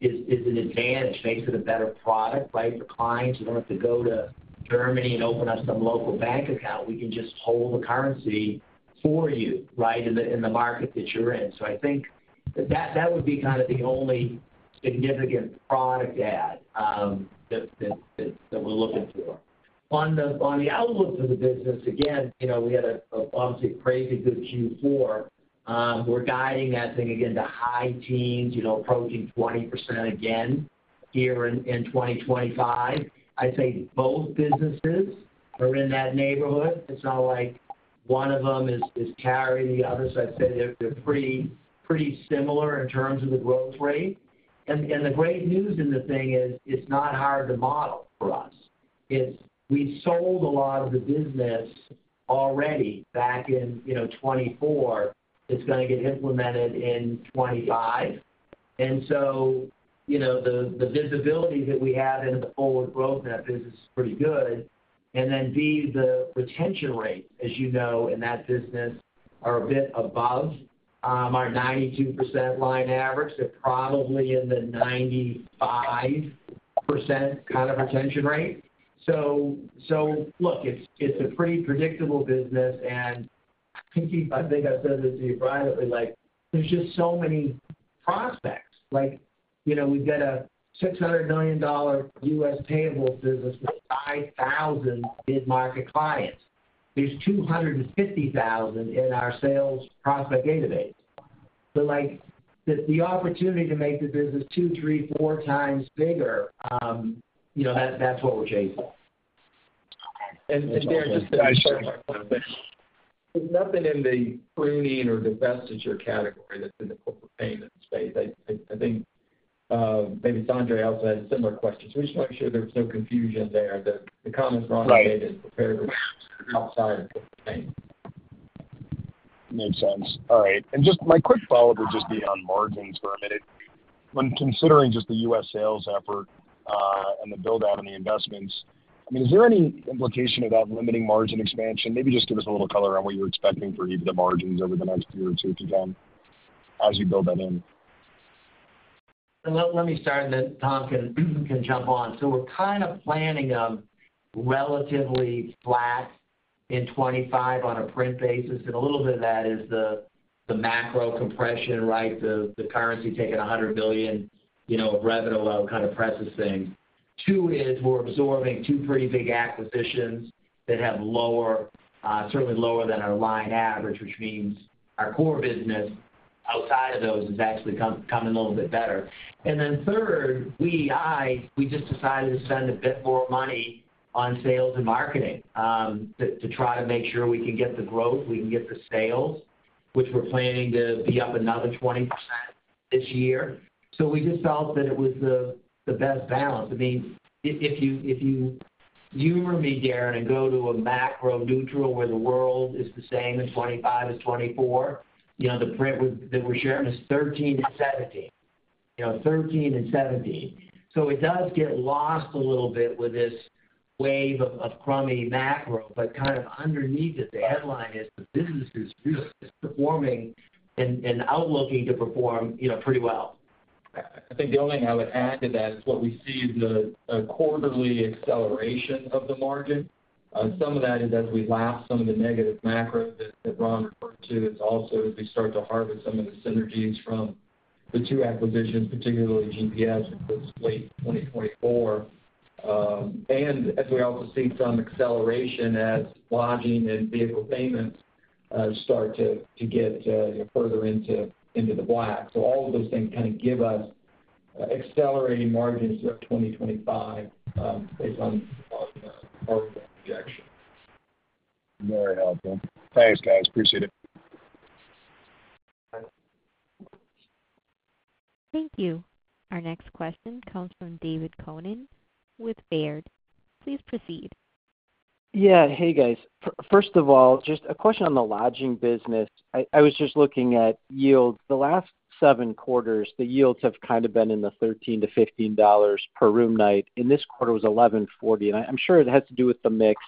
is an advantage, makes it a better product, right, for clients. You don't have to go to Germany and open up some local bank account. We can just hold the currency for you, right, in the market that you're in. So I think that would be kind of the only significant product add that we're looking for. On the outlook for the business, again, we had obviously a crazy good Q4. We're guiding that thing again to high teens, approaching 20% again here in 2025. I'd say both businesses are in that neighborhood. It's not like one of them is carrying the other. So I'd say they're pretty similar in terms of the growth rate. And the great news in the thing is it's not hard to model for us. We sold a lot of the business already back in 2024. It's going to get implemented in 2025. And so the visibility that we have into the forward growth in that business is pretty good. And then B, the retention rates, as you know, in that business are a bit above our 92% line average. They're probably in the 95% kind of retention rate. So look, it's a pretty predictable business. And I think I've said this to you privately, there's just so many prospects. We've got a $600 million U.S. payables business with 5,000 mid-market clients. There's 250,000 in our sales prospect database. But the opportunity to make the business two, three, four times bigger, that's what we're chasing. And, Darrin, just to make sure. There's nothing in the pruning or divestiture category that's in the corporate payment space. I think maybe Sandra also had a similar question. We just want to make sure there's no confusion there. The comments Ron had made are prepared outside of the same. Makes sense. All right. Just my quick follow-up would just be on margins for a minute. When considering just the U.S. sales effort and the build-out and the investments, I mean, is there any implication of that limiting margin expansion? Maybe just give us a little color on what you're expecting for even the margins over the next year or two if you can as you build that in. Let me start and then Tom can jump on. We're kind of planning them relatively flat in 2025 on a print basis. A little bit of that is the macro compression, right? The currency taking $100 million of revenue level kind of presses things. Two is we're absorbing two pretty big acquisitions that have lower, certainly lower than our line average, which means our core business outside of those is actually coming a little bit better. And then third, we just decided to spend a bit more money on sales and marketing to try to make sure we can get the growth, we can get the sales, which we're planning to be up another 20% this year. So we just felt that it was the best balance. I mean, if you humor me, Darrin, and go to a macro neutral where the world is the same in 2025 as 2024, the print that we're sharing is 13 and 17. 13 and 17. So it does get lost a little bit with this wave of crummy macro, but kind of underneath it, the headline is the business is performing and looking to perform pretty well. I think the only thing I would add to that is what we see is a quarterly acceleration of the margin. Some of that is as we lapse some of the negative macro that Ron referred to, is also as we start to harvest some of the synergies from the two acquisitions, particularly GPS with this late 2024. And as we also see some acceleration as lodging and vehicle payments start to get further into the black. So all of those things kind of give us accelerating margins throughout 2025 based on our projection. Very helpful. Thanks, guys. Appreciate it. Thank you. Our next question comes from David Koning with Baird. Please proceed. Yeah. Hey, guys. First of all, just a question on the lodging business. I was just looking at yields. The last seven quarters, the yields have kind of been in the $13-$15 per room night. In this quarter, it was $11.40. And I'm sure it has to do with the mix,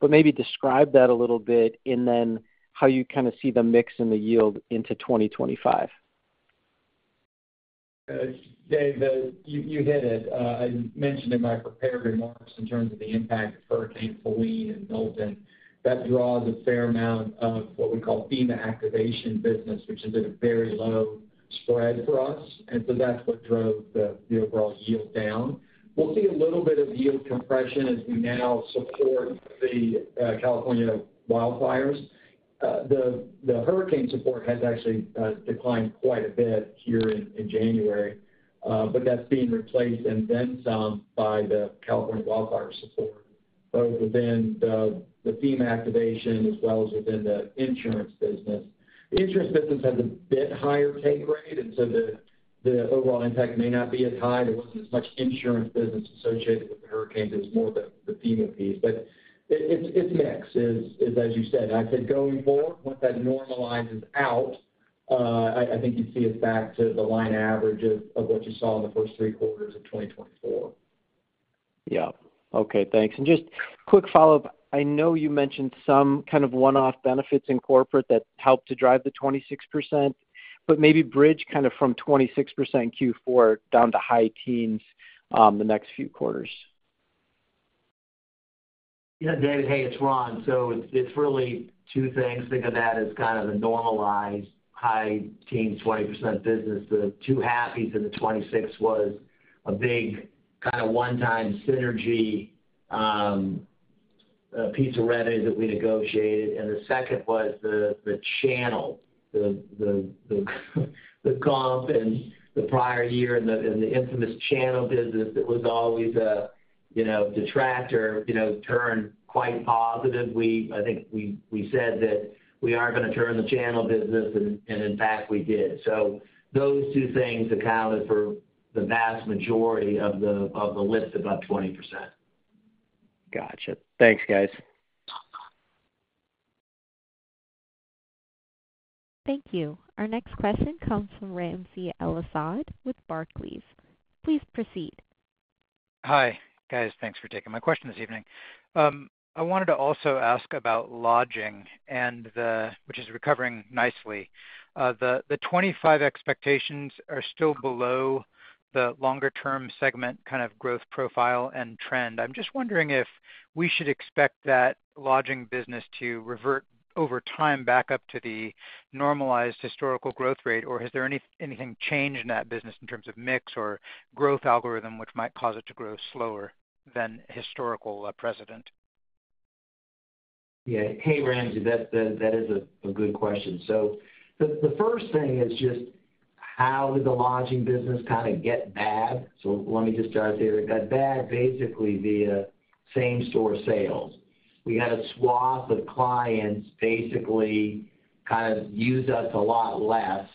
but maybe describe that a little bit and then how you kind of see the mix and the yield into 2025. You hit it. I mentioned in my prepared remarks in terms of the impact of Hurricane Helene and Milton. That draws a fair amount of what we call FEMA activation business, which is at a very low spread for us. And so that's what drove the overall yield down. We'll see a little bit of yield compression as we now support the California wildfires. The hurricane support has actually declined quite a bit here in January, but that's being replaced and then some by the California wildfire support both within the FEMA activation as well as within the insurance business. The insurance business has a bit higher take rate, and so the overall impact may not be as high. There wasn't as much insurance business associated with the hurricane. It was more the FEMA piece. But it's mixed, as you said. I said going forward, once that normalizes out, I think you'd see us back to the line average of what you saw in the first three quarters of 2024. Yeah. Okay. Thanks. And just quick follow-up. I know you mentioned some kind of one-off benefits in corporate that helped to drive the 26%, but maybe bridge kind of from 26% in Q4 down to high teens the next few quarters. Yeah, David. Hey, it's Ron. So it's really two things. Think of that as kind of the normalized high teens-20% business. The two happenings in the 26 was a big kind of one-time synergy piece of revenue that we negotiated. And the second was the channel, the comp in the prior year and the infamous channel business that was always a detractor turned quite positive. I think we said that we are going to turn the channel business, and in fact, we did. So those two things accounted for the vast majority of the lift above 20%. Gotcha. Thanks, guys. Thank you. Our next question comes from Ramsey El-Assal with Barclays. Please proceed. Hi, guys. Thanks for taking my question this evening. I wanted to also ask about lodging, which is recovering nicely. The 25 expectations are still below the longer-term segment kind of growth profile and trend. I'm just wondering if we should expect that lodging business to revert over time back up to the normalized historical growth rate, or has there anything changed in that business in terms of mix or growth algorithm which might cause it to grow slower than historical precedent? Yeah. Hey, Ramsey, that is a good question. So the first thing is just how did the lodging business kind of get bad? So let me just start there. It got bad basically via same-store sales. We had a swath of clients basically kind of use us a lot less,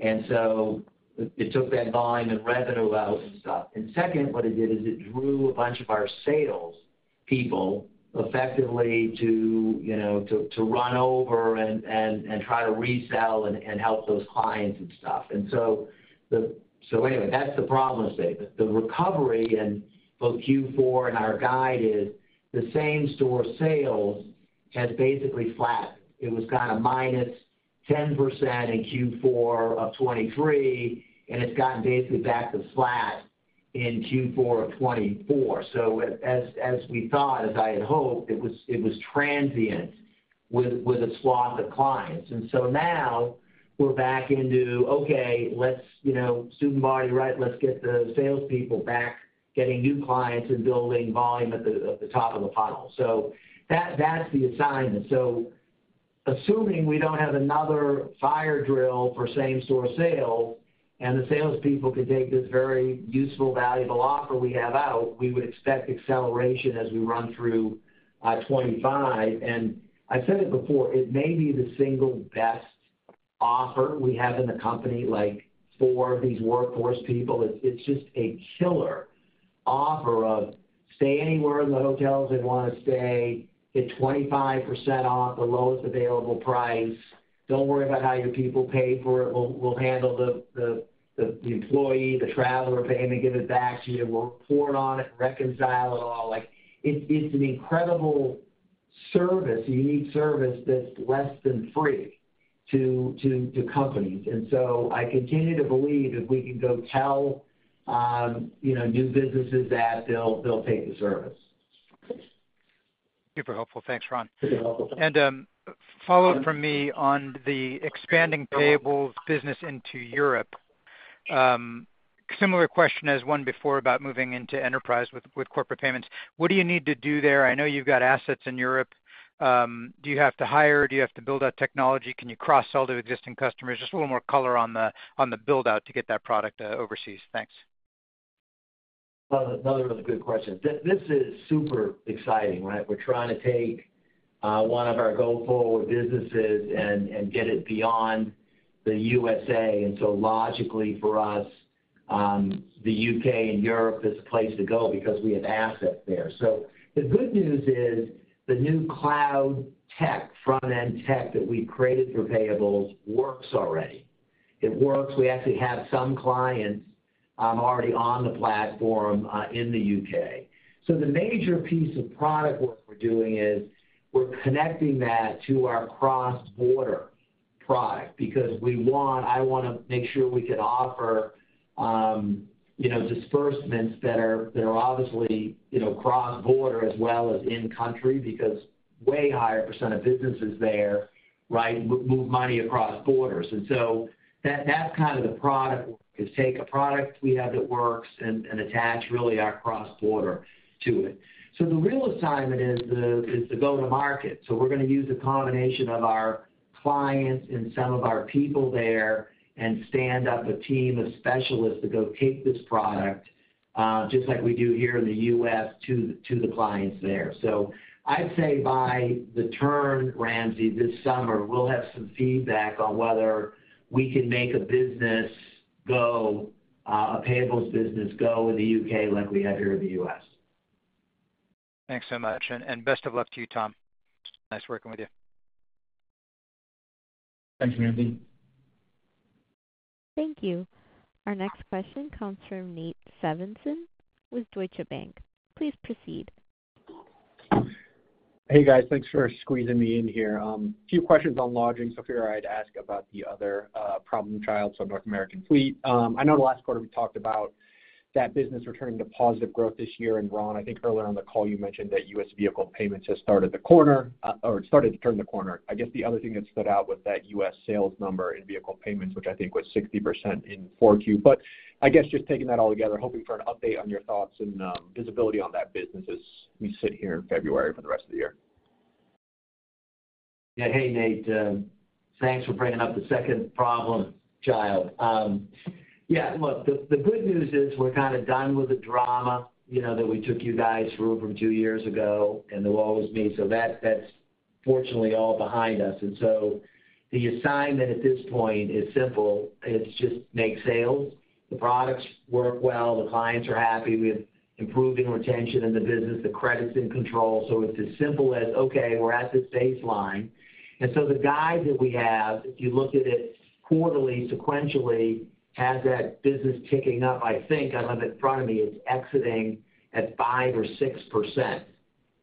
and so it took that volume and revenue out and stuff. And second, what it did is it drew a bunch of our salespeople effectively to run over and try to resell and help those clients and stuff. And so anyway, that's the problem statement. The recovery in both Q4 and our guide is the same-store sales has basically flattened. It was kind of minus 10% in Q4 of 2023, and it's gotten basically back to flat in Q4 of 2024. So as we thought, as I had hoped, it was transient with a swath of clients. And so now we're back into, "Okay, let's student body, right? Let's get the salespeople back getting new clients and building volume at the top of the funnel." So that's the assignment. So assuming we don't have another fire drill for same-store sales and the salespeople can take this very useful, valuable offer we have out, we would expect acceleration as we run through 2025. And I've said it before, it may be the single best offer we have in the company for these workforce people. It's just a killer offer of stay anywhere in the hotels they want to stay, get 25% off the lowest available price. Don't worry about how your people pay for it. We'll handle the employee, the traveler payment, give it back to you. We'll report on it, reconcile it all. It's an incredible service, a unique service that's less than free to companies. And so I continue to believe if we can go tell new businesses that, they'll take the service. Super helpful. Thanks, Ron. Super helpful and follow-up from me on the expanding payables business into Europe. Similar question as one before about moving into enterprise with corporate payments. What do you need to do there? I know you've got assets in Europe. Do you have to hire? Do you have to build out technology? Can you cross-sell to existing customers? Just a little more color on the build-out to get that product overseas. Thanks. Another really good question. This is super exciting, right? We're trying to take one of our go-forward businesses and get it beyond the USA. And so logically for us, the UK and Europe is the place to go because we have assets there. So the good news is the new cloud tech, front-end tech that we've created for payables works already. It works. We actually have some clients already on the platform in the UK. So the major piece of product work we're doing is we're connecting that to our cross-border product because I want to make sure we can offer disbursements that are obviously cross-border as well as in-country because way higher percent of businesses there, right, move money across borders. And so that's kind of the product work is take a product we have that works and attach really our cross-border to it. So the real assignment is the go-to-market. So we're going to use a combination of our clients and some of our people there and stand up a team of specialists to go take this product just like we do here in the U.S. to the clients there. So I'd say by the turn, Ramsey, this summer, we'll have some feedback on whether we can make a business go, a payables business go in the U.K. like we have here in the U.S. Thanks so much. And best of luck to you, Tom. Nice working with you. Thanks, Ramsey. Thank you. Our next question comes from Nate Svensson with Deutsche Bank. Please proceed. Hey, guys. Thanks for squeezing me in here. A few questions on lodging. So I figured I'd ask about the other problem child, so North American Fleet. I know the last quarter we talked about that business returning to positive growth this year. And Ron, I think earlier on the call, you mentioned that US vehicle payments has started the corner or started to turn the corner. I guess the other thing that stood out was that US sales number in vehicle payments, which I think was 60% in 2024. But I guess just taking that all together, hoping for an update on your thoughts and visibility on that business as we sit here in February for the rest of the year. Yeah. Hey, Nate. Thanks for bringing up the second problem child. Yeah. Look, the good news is we're kind of done with the drama that we took you guys through from two years ago, and the woe is me. So that's fortunately all behind us. And so the assignment at this point is simple. It's just make sales. The products work well. The clients are happy. We have improving retention in the business. The credit's in control. So it's as simple as, "Okay, we're at this baseline." And so the guide that we have, if you look at it quarterly, sequentially, has that business ticking up. I think I have it in front of me. It's exiting at 5% or 6%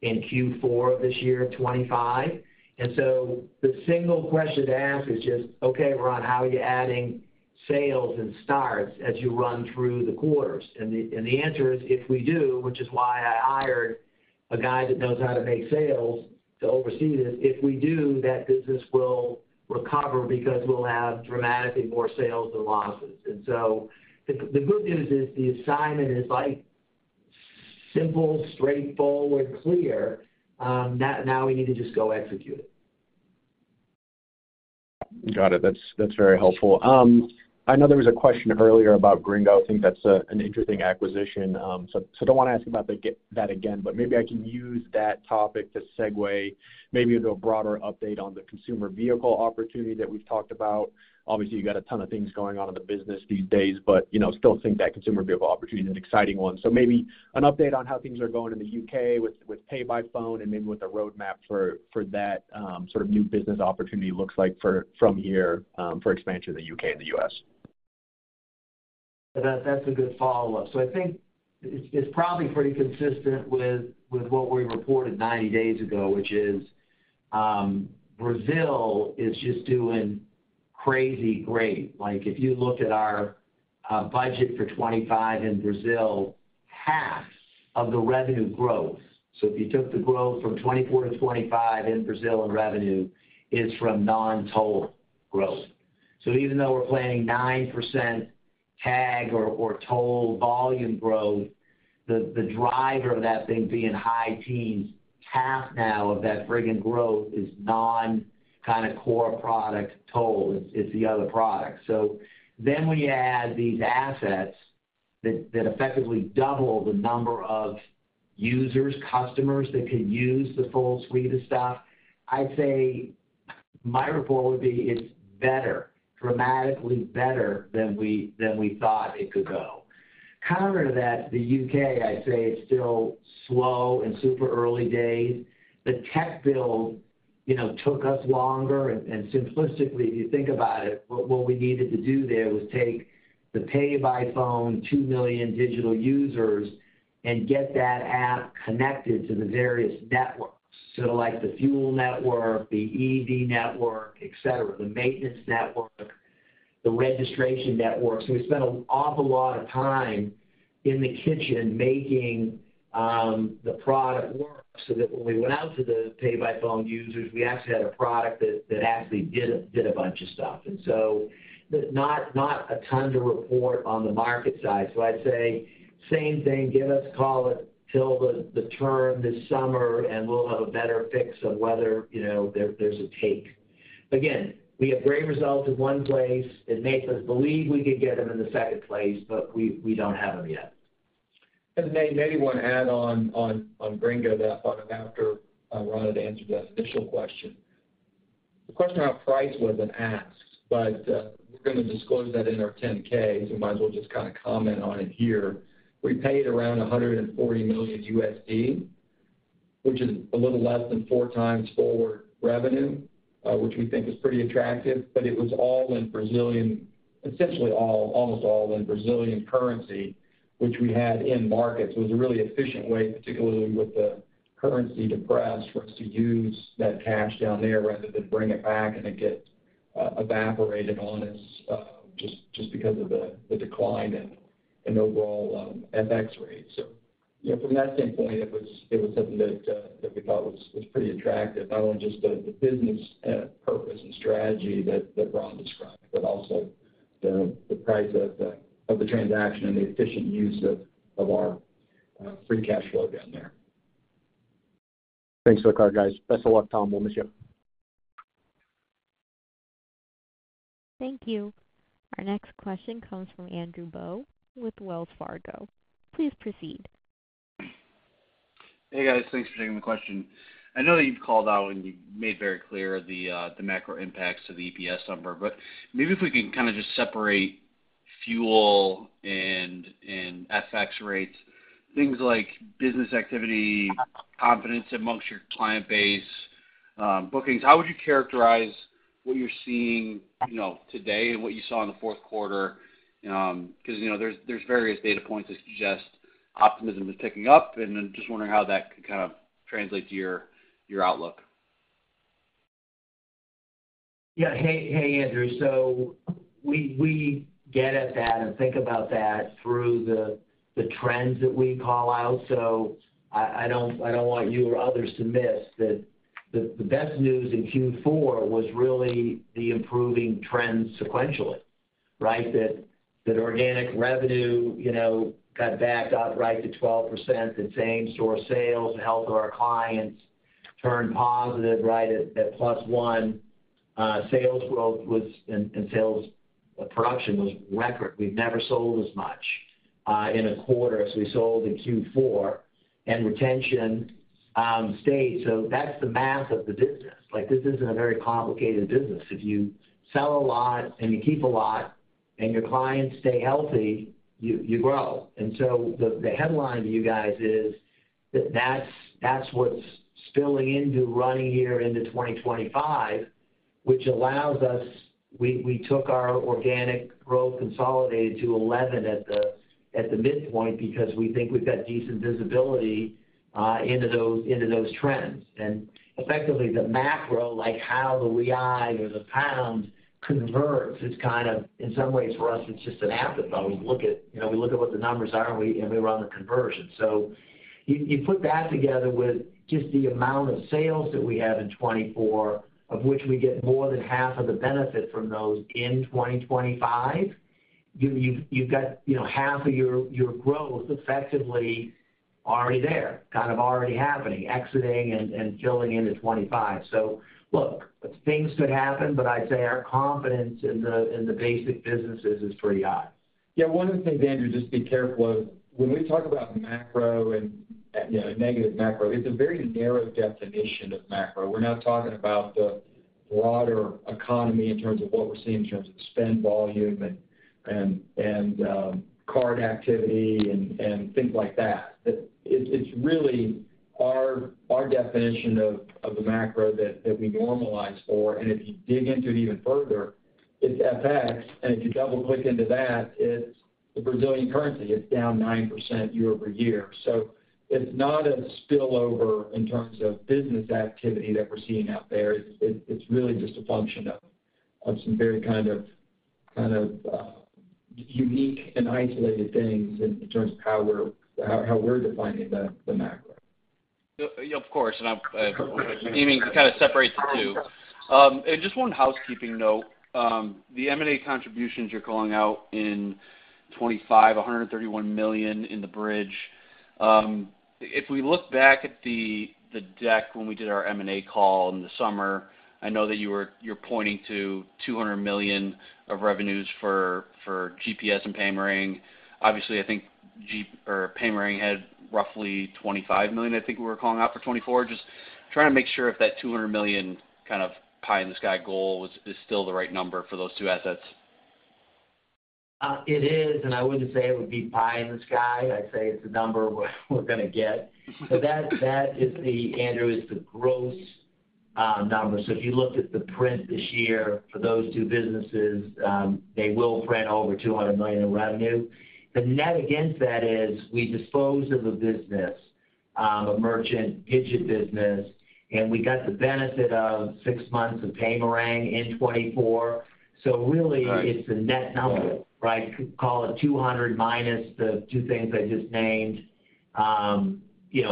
in Q4 of this year, 2025. The single question to ask is just, "Okay, Ron, how are you adding sales and starts as you run through the quarters?" The answer is, if we do, which is why I hired a guy that knows how to make sales to oversee this, if we do, that business will recover because we'll have dramatically more sales than losses. The good news is the assignment is simple, straightforward, clear. Now we need to just go execute it. Got it. That's very helpful. I know there was a question earlier about Gringo. I think that's an interesting acquisition. I don't want to ask about that again, but maybe I can use that topic to segue maybe into a broader update on the consumer vehicle opportunity that we've talked about. Obviously, you've got a ton of things going on in the business these days, but still think that consumer vehicle opportunity is an exciting one. So maybe an update on how things are going in the U.K. with pay by phone and maybe what the roadmap for that sort of new business opportunity looks like from here for expansion in the U.K. and the U.S.? That's a good follow-up. So I think it's probably pretty consistent with what we reported 90 days ago, which is Brazil is just doing crazy great. If you look at our budget for 2025 in Brazil, half of the revenue growth. So if you took the growth from 2024-2025 in Brazil in revenue is from non-toll growth. So even though we're planning 9% tag or toll volume growth, the driver of that thing being high teens, half now of that frigging growth is non-kind of core product toll. It's the other product. So then when you add these assets that effectively double the number of users, customers that could use the full suite of stuff, I'd say my report would be it's better, dramatically better than we thought it could go. Counter to that, the U.K., I'd say it's still slow and super early days. The tech build took us longer. And simplistically, if you think about it, what we needed to do there was take the PayByPhone, 2 million digital users, and get that app connected to the various networks. So like the fuel network, the EV network, etc., the maintenance network, the registration network. So we spent an awful lot of time in the kitchen making the product work so that when we went out to the PayByPhone users, we actually had a product that actually did a bunch of stuff. And so not a ton to report on the market side. So I'd say same thing. Give us, call it, till the term this summer, and we'll have a better fix of whether there's a take. Again, we have great results in one place. It makes us believe we could get them in the second place, but we don't have them yet. And maybe one add-on on Gringo that thought of after Ron had answered that initial question. The question about price wasn't asked, but we're going to disclose that in our 10-K. If you mind, we'll just kind of comment on it here. We paid around $140 million, which is a little less than four times forward revenue, which we think is pretty attractive. But it was all in Brazilian, essentially almost all in Brazilian currency, which we had in markets. It was a really efficient way, particularly with the currency depressed, for us to use that cash down there rather than bring it back and it get evaporated on us just because of the decline in overall FX rate. So from that standpoint, it was something that we thought was pretty attractive, not only just the business purpose and strategy that Ron described, but also the price of the transaction and the efficient use of our free cash flow down there. Thanks for the call, guys. Best of luck, Tom. We'll miss you. Thank you. Our next question comes from Andrew Bauch with Wells Fargo. Please proceed. Hey, guys. Thanks for taking the question. I know that you've called out and you've made very clear the macro impacts to the EPS number, but maybe if we can kind of just separate fuel and FX rates, things like business activity, confidence amongst your client base, bookings, how would you characterize what you're seeing today and what you saw in the fourth quarter? Because there's various data points that suggest optimism is picking up, and I'm just wondering how that could kind of translate to your outlook. Yeah. Hey, Andrew. So we get at that and think about that through the trends that we call out. So I don't want you or others to miss that the best news in Q4 was really the improving trend sequentially, right? That organic revenue got back up right to 12%. The same-store sales, the health of our clients turned positive, right? At plus one, sales growth and sales production was record. We've never sold as much in a quarter as we sold in Q4. Retention stayed. That's the math of the business. This isn't a very complicated business. If you sell a lot and you keep a lot and your clients stay healthy, you grow. The headline to you guys is that that's what's spilling into running here into 2025, which allows us. We took our organic growth consolidated to 11% at the midpoint because we think we've got decent visibility into those trends. Effectively, the macro, like how the Real or the pound converts, is kind of in some ways for us. It's just an appetite. We look at what the numbers are, and we run the conversion. So you put that together with just the amount of sales that we have in 2024, of which we get more than half of the benefit from those in 2025, you've got half of your growth effectively already there, kind of already happening, exiting and filling into 2025. So look, things could happen, but I'd say our confidence in the basic businesses is pretty high. Yeah. One of the things, Andrew, just to be careful of, when we talk about macro and negative macro, it's a very narrow definition of macro. We're not talking about the broader economy in terms of what we're seeing in terms of spend volume and card activity and things like that. It's really our definition of the macro that we normalize for, and if you dig into it even further, it's FX. And if you double-click into that, it's the Brazilian currency. It's down 9% year over year. So it's not a spillover in terms of business activity that we're seeing out there. It's really just a function of some very kind of unique and isolated things in terms of how we're defining the macro. Of course. And you mean to kind of separate the two. And just one housekeeping note, the M&A contributions you're calling out in 2025, $131 million in the bridge. If we look back at the deck when we did our M&A call in the summer, I know that you're pointing to $200 million of revenues for GPS and Paymorang. Obviously, I think Paymorang had roughly $25 million, I think we were calling out for 2024. Just trying to make sure if that $200 million kind of pie-in-the-sky goal is still the right number for those two assets. It is. I wouldn't say it would be pie in the sky. I'd say it's the number we're going to get. So that is the, Andrew, is the gross number. So if you look at the print this year for those two businesses, they will print over $200 million in revenue. The net against that is we disposed of a business, a merchant gift business, and we got the benefit of six months of Paymorang in 2024. So really, it's a net number, right? Call it $200 million minus the two things I just named.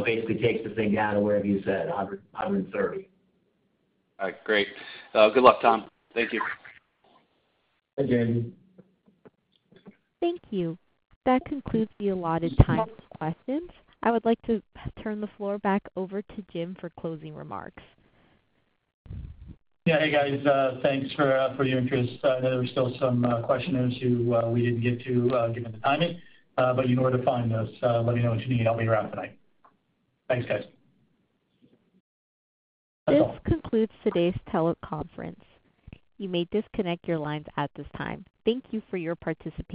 Basically takes the thing down to wherever you said, $130 million. All right. Great. Good luck, Tom. Thank you. Thank you, Andrew. Thank you. That concludes the allotted time for questions. I would like to turn the floor back over to Jim for closing remarks. Yeah. Hey, guys. Thanks for your interest. I know there were still some questionnaires we didn't get to given the timing. But you know where to find those. Let me know what you need. I'll be around tonight. Thanks, guys. This concludes today's teleconference. You may disconnect your lines at this time. Thank you for your participation.